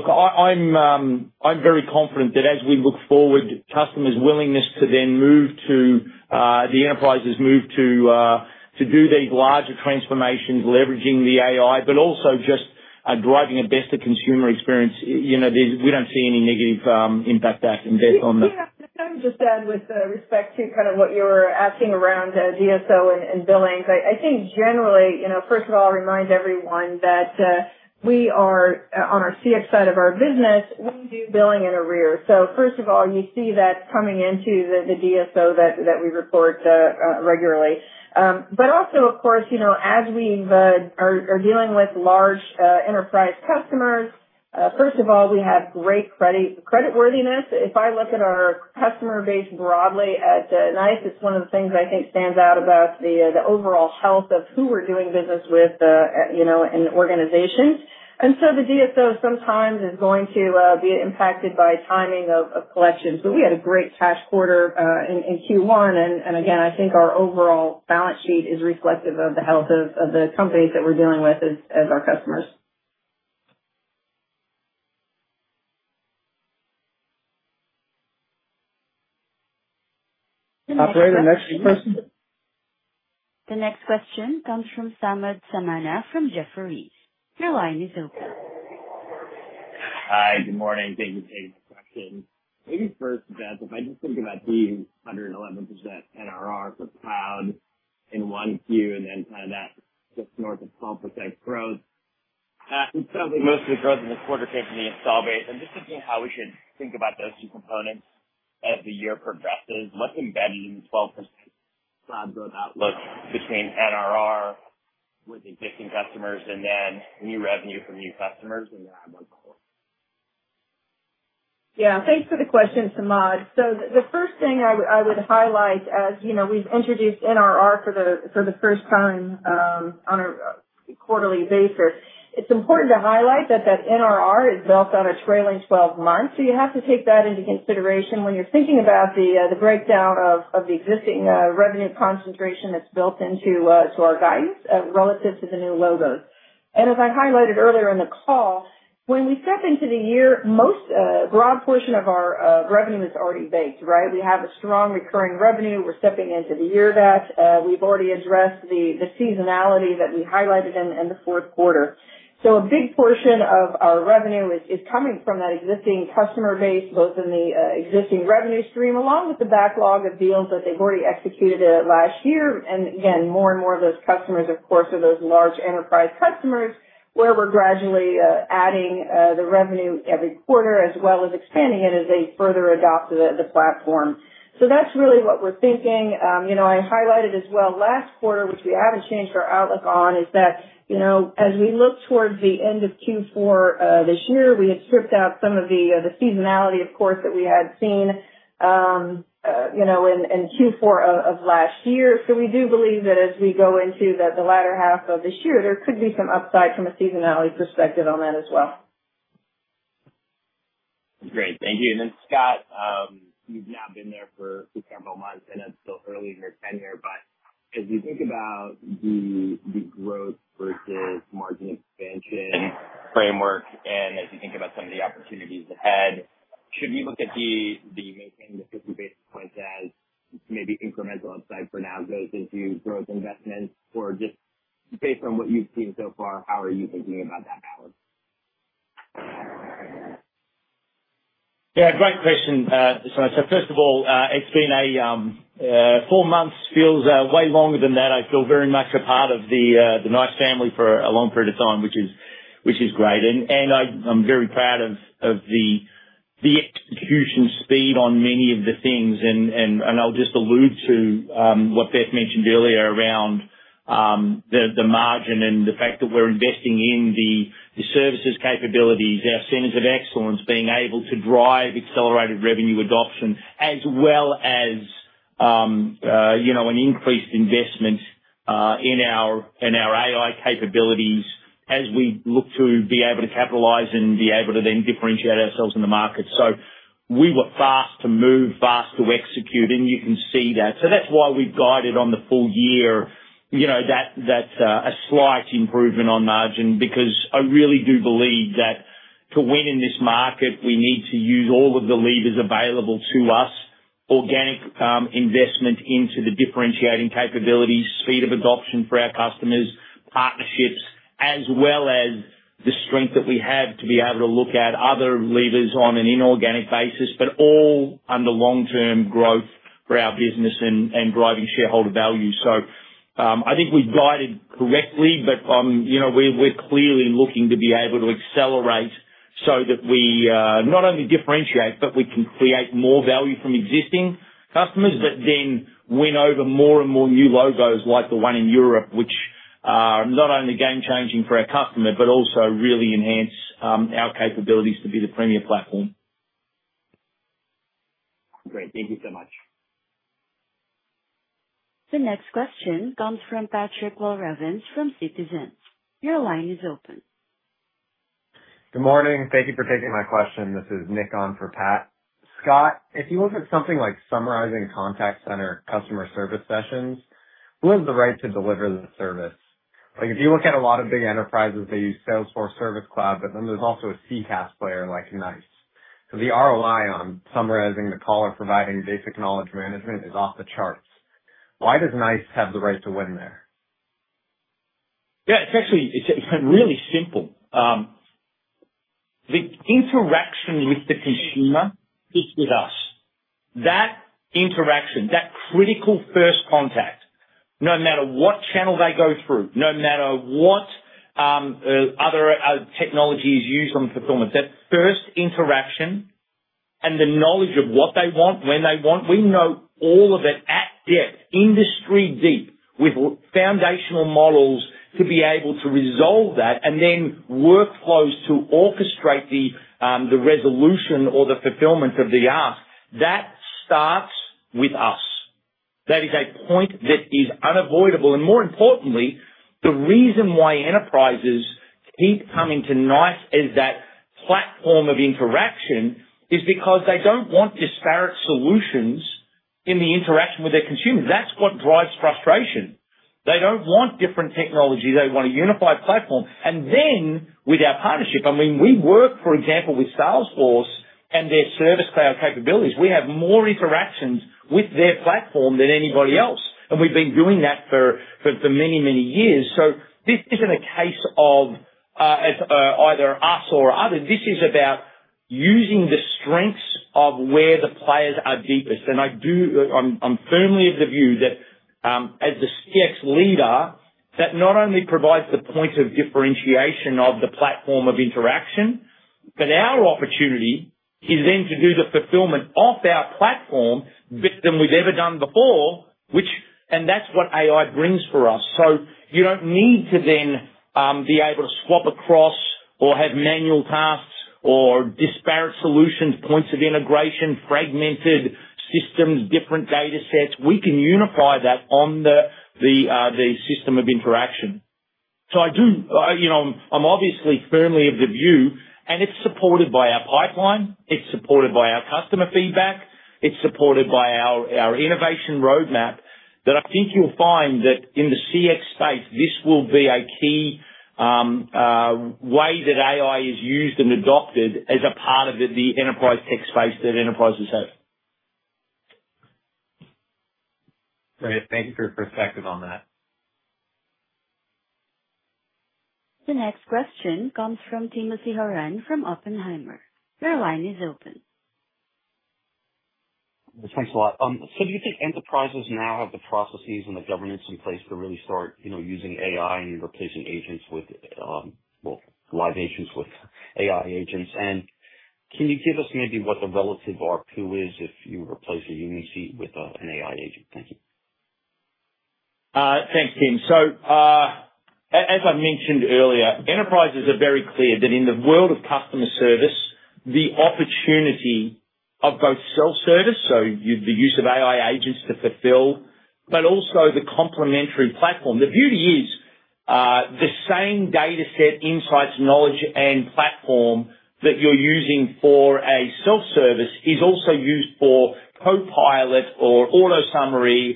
I'm very confident that as we look forward, customers' willingness to then move to the enterprises move to do these larger transformations, leveraging the AI, but also just driving a better consumer experience. We don't see any negative impact back in Beth on that. I'm just adding with respect to kind of what you were asking around DSO and billings. I think generally, first of all, I'll remind everyone that on our CX side of our business, we do billing in arrears. First of all, you see that coming into the DSO that we report regularly. Also, of course, as we are dealing with large enterprise customers, we have great creditworthiness. If I look at our customer base broadly at NICE, it's one of the things I think stands out about the overall health of who we're doing business with in organizations. The DSO sometimes is going to be impacted by timing of collections. We had a great cash quarter in Q1. Again, I think our overall balance sheet is reflective of the health of the companies that we're dealing with as our customers. Operator, next question. The next question comes from Samad Samana from Jefferies. Your line is open. Hi. Good morning. Thank you for taking the question. Maybe first, Beth, if I just think about the 111% NRR for cloud in Q1 and then kind of that just north of 12% growth. It's certainly most of the growth in the quarter came from the install base. I'm just thinking how we should think about those two components as the year progresses. What's embedded in the 12% cloud growth outlook between NRR with existing customers and then new revenue from new customers in the NRR quarter? Yeah. Thanks for the question, Samad. The first thing I would highlight, as we've introduced NRR for the first time on a quarterly basis, it's important to highlight that that NRR is built on a trailing 12 months. You have to take that into consideration when you're thinking about the breakdown of the existing revenue concentration that's built into our guidance relative to the new logos. As I highlighted earlier in the call, when we step into the year, most broad portion of our revenue is already baked, right? We have a strong recurring revenue. We're stepping into the year that we've already addressed the seasonality that we highlighted in the fourth quarter. A big portion of our revenue is coming from that existing customer base, both in the existing revenue stream along with the backlog of deals that they've already executed last year. Again, more and more of those customers, of course, are those large enterprise customers where we're gradually adding the revenue every quarter as well as expanding it as they further adopt the platform. That's really what we're thinking. I highlighted as well last quarter, which we haven't changed our outlook on, is that as we look towards the end of Q4 this year, we had stripped out some of the seasonality, of course, that we had seen in Q4 of last year. We do believe that as we go into the latter half of this year, there could be some upside from a seasonality perspective on that as well. Great. Thank you. And then, Scott, you've now been there for several months, and it's still early in your tenure. As you think about the growth versus margin expansion framework and as you think about some of the opportunities ahead, should we look at maintaining the 50 basis points as maybe incremental upside for now goes into growth investments? Or just based on what you've seen so far, how are you thinking about that balance? Yeah. Great question, Samad. First of all, it's been four months. Feels way longer than that. I feel very much a part of the NICE family for a long period of time, which is great. I'm very proud of the execution speed on many of the things. I'll just allude to what Beth mentioned earlier around the margin and the fact that we're investing in the services capabilities, our centers of excellence, being able to drive accelerated revenue adoption, as well as an increased investment in our AI capabilities as we look to be able to capitalize and be able to then differentiate ourselves in the market. We were fast to move, fast to execute, and you can see that. That is why we have guided on the full year that a slight improvement on margin because I really do believe that to win in this market, we need to use all of the levers available to us, organic investment into the differentiating capabilities, speed of adoption for our customers, partnerships, as well as the strength that we have to be able to look at other levers on an inorganic basis, but all under long-term growth for our business and driving shareholder value. I think we have guided correctly, but we are clearly looking to be able to accelerate so that we not only differentiate, but we can create more value from existing customers, but then win over more and more new logos like the one in Europe, which are not only game-changing for our customer, but also really enhance our capabilities to be the premier platform. Great. Thank you so much. The next question comes from Patrick Walravens from Citizen. Your line is open. Good morning. Thank you for taking my question. This is Nick on for Pat. Scott, if you look at something like summarizing contact center customer service sessions, who has the right to deliver the service? If you look at a lot of big enterprises, they use Salesforce Service Cloud, but then there's also a CCaaS player like NICE. The ROI on summarizing the call or providing basic knowledge management is off the charts. Why does NICE have the right to win there? Yeah. It's actually really simple. The interaction with the consumer is with us. That interaction, that critical first contact, no matter what channel they go through, no matter what other technology is used on performance, that first interaction and the knowledge of what they want, when they want, we know all of it at depth, industry deep, with foundational models to be able to resolve that and then workflows to orchestrate the resolution or the fulfillment of the ask. That starts with us. That is a point that is unavoidable. More importantly, the reason why enterprises keep coming to NICE as that platform of interaction is because they do not want disparate solutions in the interaction with their consumers. That is what drives frustration. They do not want different technology. They want a unified platform. With our partnership, I mean, we work, for example, with Salesforce and their service cloud capabilities. We have more interactions with their platform than anybody else. We have been doing that for many, many years. This is not a case of either us or others. This is about using the strengths of where the players are deepest. I am firmly of the view that as the CX leader, that not only provides the point of differentiation of the platform of interaction, but our opportunity is then to do the fulfillment of our platform better than we have ever done before, and that is what AI brings for us. You do not need to be able to swap across or have manual tasks or disparate solutions, points of integration, fragmented systems, different data sets. We can unify that on the system of interaction. I am obviously firmly of the view, and it is supported by our pipeline. It is supported by our customer feedback. It's supported by our innovation roadmap that I think you'll find that in the CX space, this will be a key way that AI is used and adopted as a part of the enterprise tech space that enterprises have. Great. Thank you for your perspective on that. The next question comes from Timothy Horan from Oppenheimer. Your line is open. Thanks a lot. Do you think enterprises now have the processes and the governance in place to really start using AI and replacing agents with, well, live agents with AI agents? Can you give us maybe what the relative ARPU is if you replace a uni seat with an AI agent? Thank you. Thanks, Tim. As I mentioned earlier, enterprises are very clear that in the world of customer service, the opportunity of both self-service, so the use of AI agents to fulfill, but also the complementary platform. The beauty is the same data set, insights, knowledge, and platform that you're using for a self-service is also used for Copilot or AutoSummary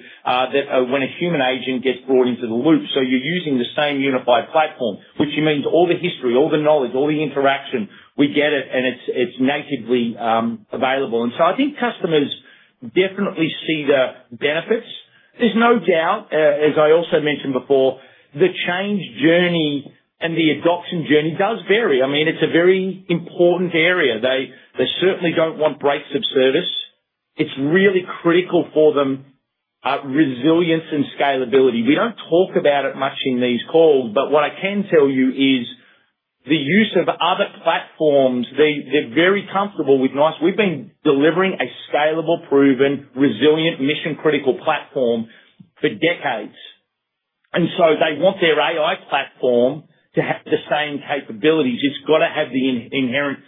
when a human agent gets brought into the loop. You're using the same unified platform, which means all the history, all the knowledge, all the interaction. We get it, and it's natively available. I think customers definitely see the benefits. There's no doubt, as I also mentioned before, the change journey and the adoption journey does vary. I mean, it's a very important area. They certainly don't want breaks of service. It's really critical for them, resilience and scalability. We don't talk about it much in these calls, but what I can tell you is the use of other platforms, they're very comfortable with NICE. We've been delivering a scalable, proven, resilient, mission-critical platform for decades. They want their AI platform to have the same capabilities. It's got to have the inherent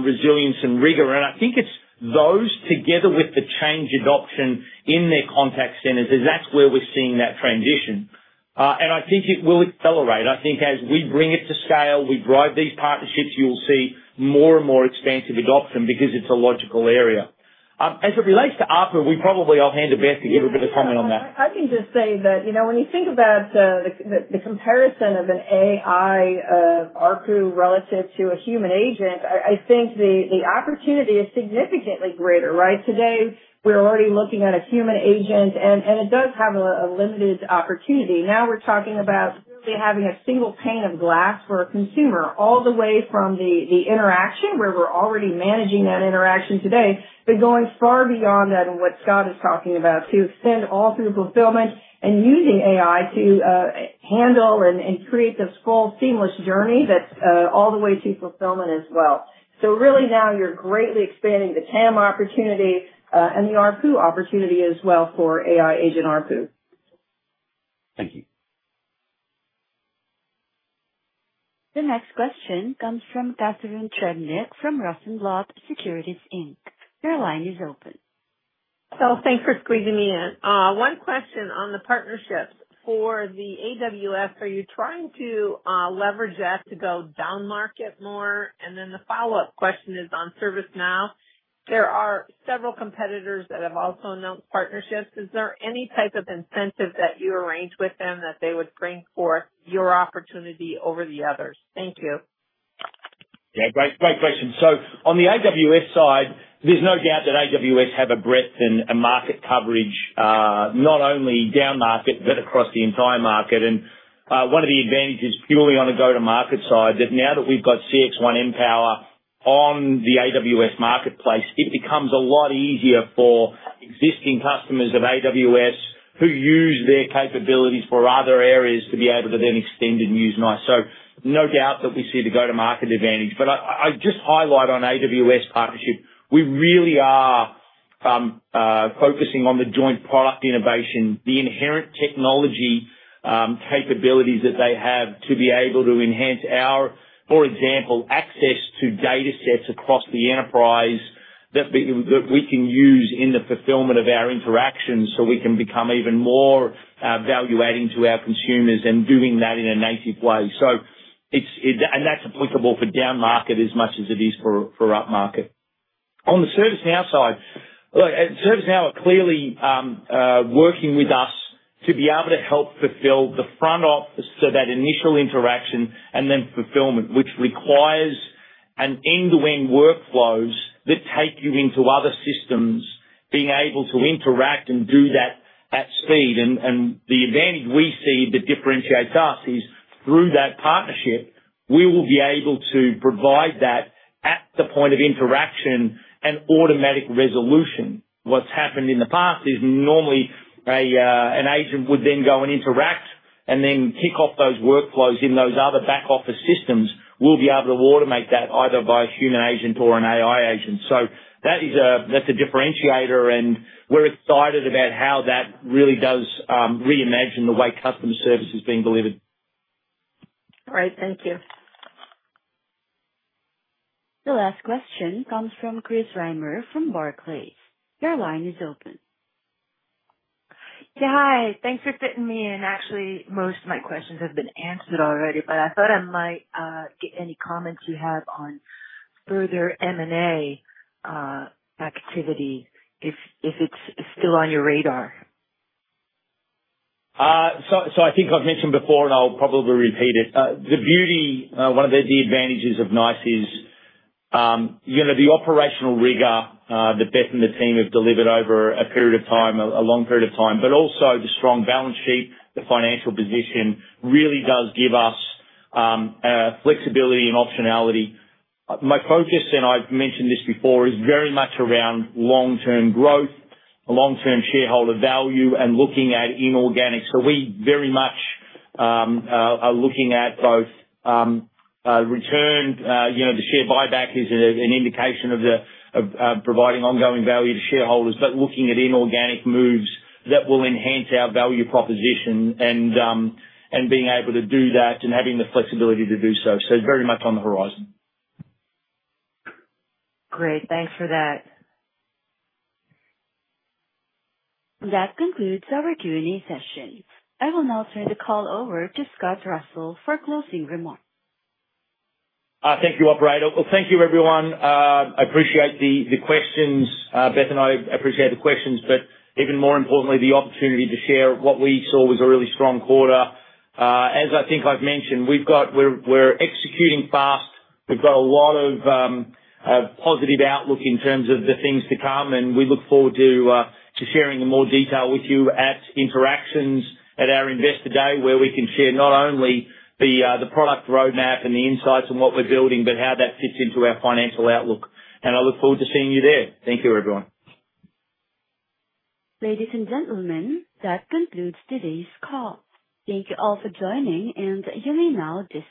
resilience and rigor. I think it's those together with the change adoption in their contact centers that is where we're seeing that transition. I think it will accelerate. I think as we bring it to scale, we drive these partnerships, you'll see more and more expansive adoption because it's a logical area. As it relates to ARPU, we probably—I'll hand it back to give a bit of comment on that. I can just say that when you think about the comparison of an AI ARPU relative to a human agent, I think the opportunity is significantly greater, right? Today, we're already looking at a human agent, and it does have a limited opportunity. Now we're talking about really having a single pane of glass for a consumer, all the way from the interaction where we're already managing that interaction today, but going far beyond that and what Scott is talking about to extend all through fulfillment and using AI to handle and create this full seamless journey that's all the way to fulfillment as well. You are really now greatly expanding the TAM opportunity and the ARPU opportunity as well for AI agent ARPU. Thank you. The next question comes from Catharine Trebnick from Rosenblatt Securities. Your line is open. So thanks for squeezing me in. One question on the partnerships for AWS. Are you trying to leverage that to go down market more? And then the follow-up question is on ServiceNow. There are several competitors that have also announced partnerships. Is there any type of incentive that you arranged with them that they would bring forth your opportunity over the others? Thank you. Yeah. Great question. On the AWS side, there's no doubt that AWS have a breadth and a market coverage, not only down market but across the entire market. One of the advantages purely on a go-to-market side is that now that we've got CXone Mpower on the AWS marketplace, it becomes a lot easier for existing customers of AWS who use their capabilities for other areas to be able to then extend and use NICE. No doubt that we see the go-to-market advantage. I just highlight on the AWS partnership, we really are focusing on the joint product innovation, the inherent technology capabilities that they have to be able to enhance our, for example, access to data sets across the enterprise that we can use in the fulfillment of our interactions so we can become even more value-adding to our consumers and doing that in a native way. That is applicable for down market as much as it is for up market. On the ServiceNow side, ServiceNow are clearly working with us to be able to help fulfill the front office to that initial interaction and then fulfillment, which requires end-to-end workflows that take you into other systems, being able to interact and do that at speed. The advantage we see that differentiates us is through that partnership, we will be able to provide that at the point of interaction and automatic resolution. What's happened in the past is normally an agent would then go and interact and then kick off those workflows in those other back-office systems. We'll be able to automate that either by a human agent or an AI agent. That's a differentiator, and we're excited about how that really does reimagine the way customer service is being delivered. All right. Thank you. The last question comes from Chris Reimer from Barclays. Your line is open. Yeah. Hi. Thanks for fitting me in. Actually, most of my questions have been answered already, but I thought I might get any comments you have on further M&A activity if it's still on your radar. I think I've mentioned before, and I'll probably repeat it. The beauty, one of the advantages of NICE is the operational rigor that Beth and the team have delivered over a period of time, a long period of time, but also the strong balance sheet, the financial position really does give us flexibility and optionality. My focus, and I've mentioned this before, is very much around long-term growth, long-term shareholder value, and looking at inorganic. We very much are looking at both returned; the share buyback is an indication of providing ongoing value to shareholders, but looking at inorganic moves that will enhance our value proposition and being able to do that and having the flexibility to do so. It's very much on the horizon. Great. Thanks for that. That concludes our Q&A session. I will now turn the call over to Scott Russell for closing remarks. Thank you, operator. Thank you, everyone. I appreciate the questions, Beth and I appreciate the questions, but even more importantly, the opportunity to share what we saw was a really strong quarter. As I think I've mentioned, we're executing fast. We've got a lot of positive outlook in terms of the things to come, and we look forward to sharing in more detail with you at Interactions at our Investor Day where we can share not only the product roadmap and the insights and what we're building, but how that fits into our financial outlook. I look forward to seeing you there. Thank you, everyone. Ladies and gentlemen, that concludes today's call. Thank you all for joining, and you may now disconnect.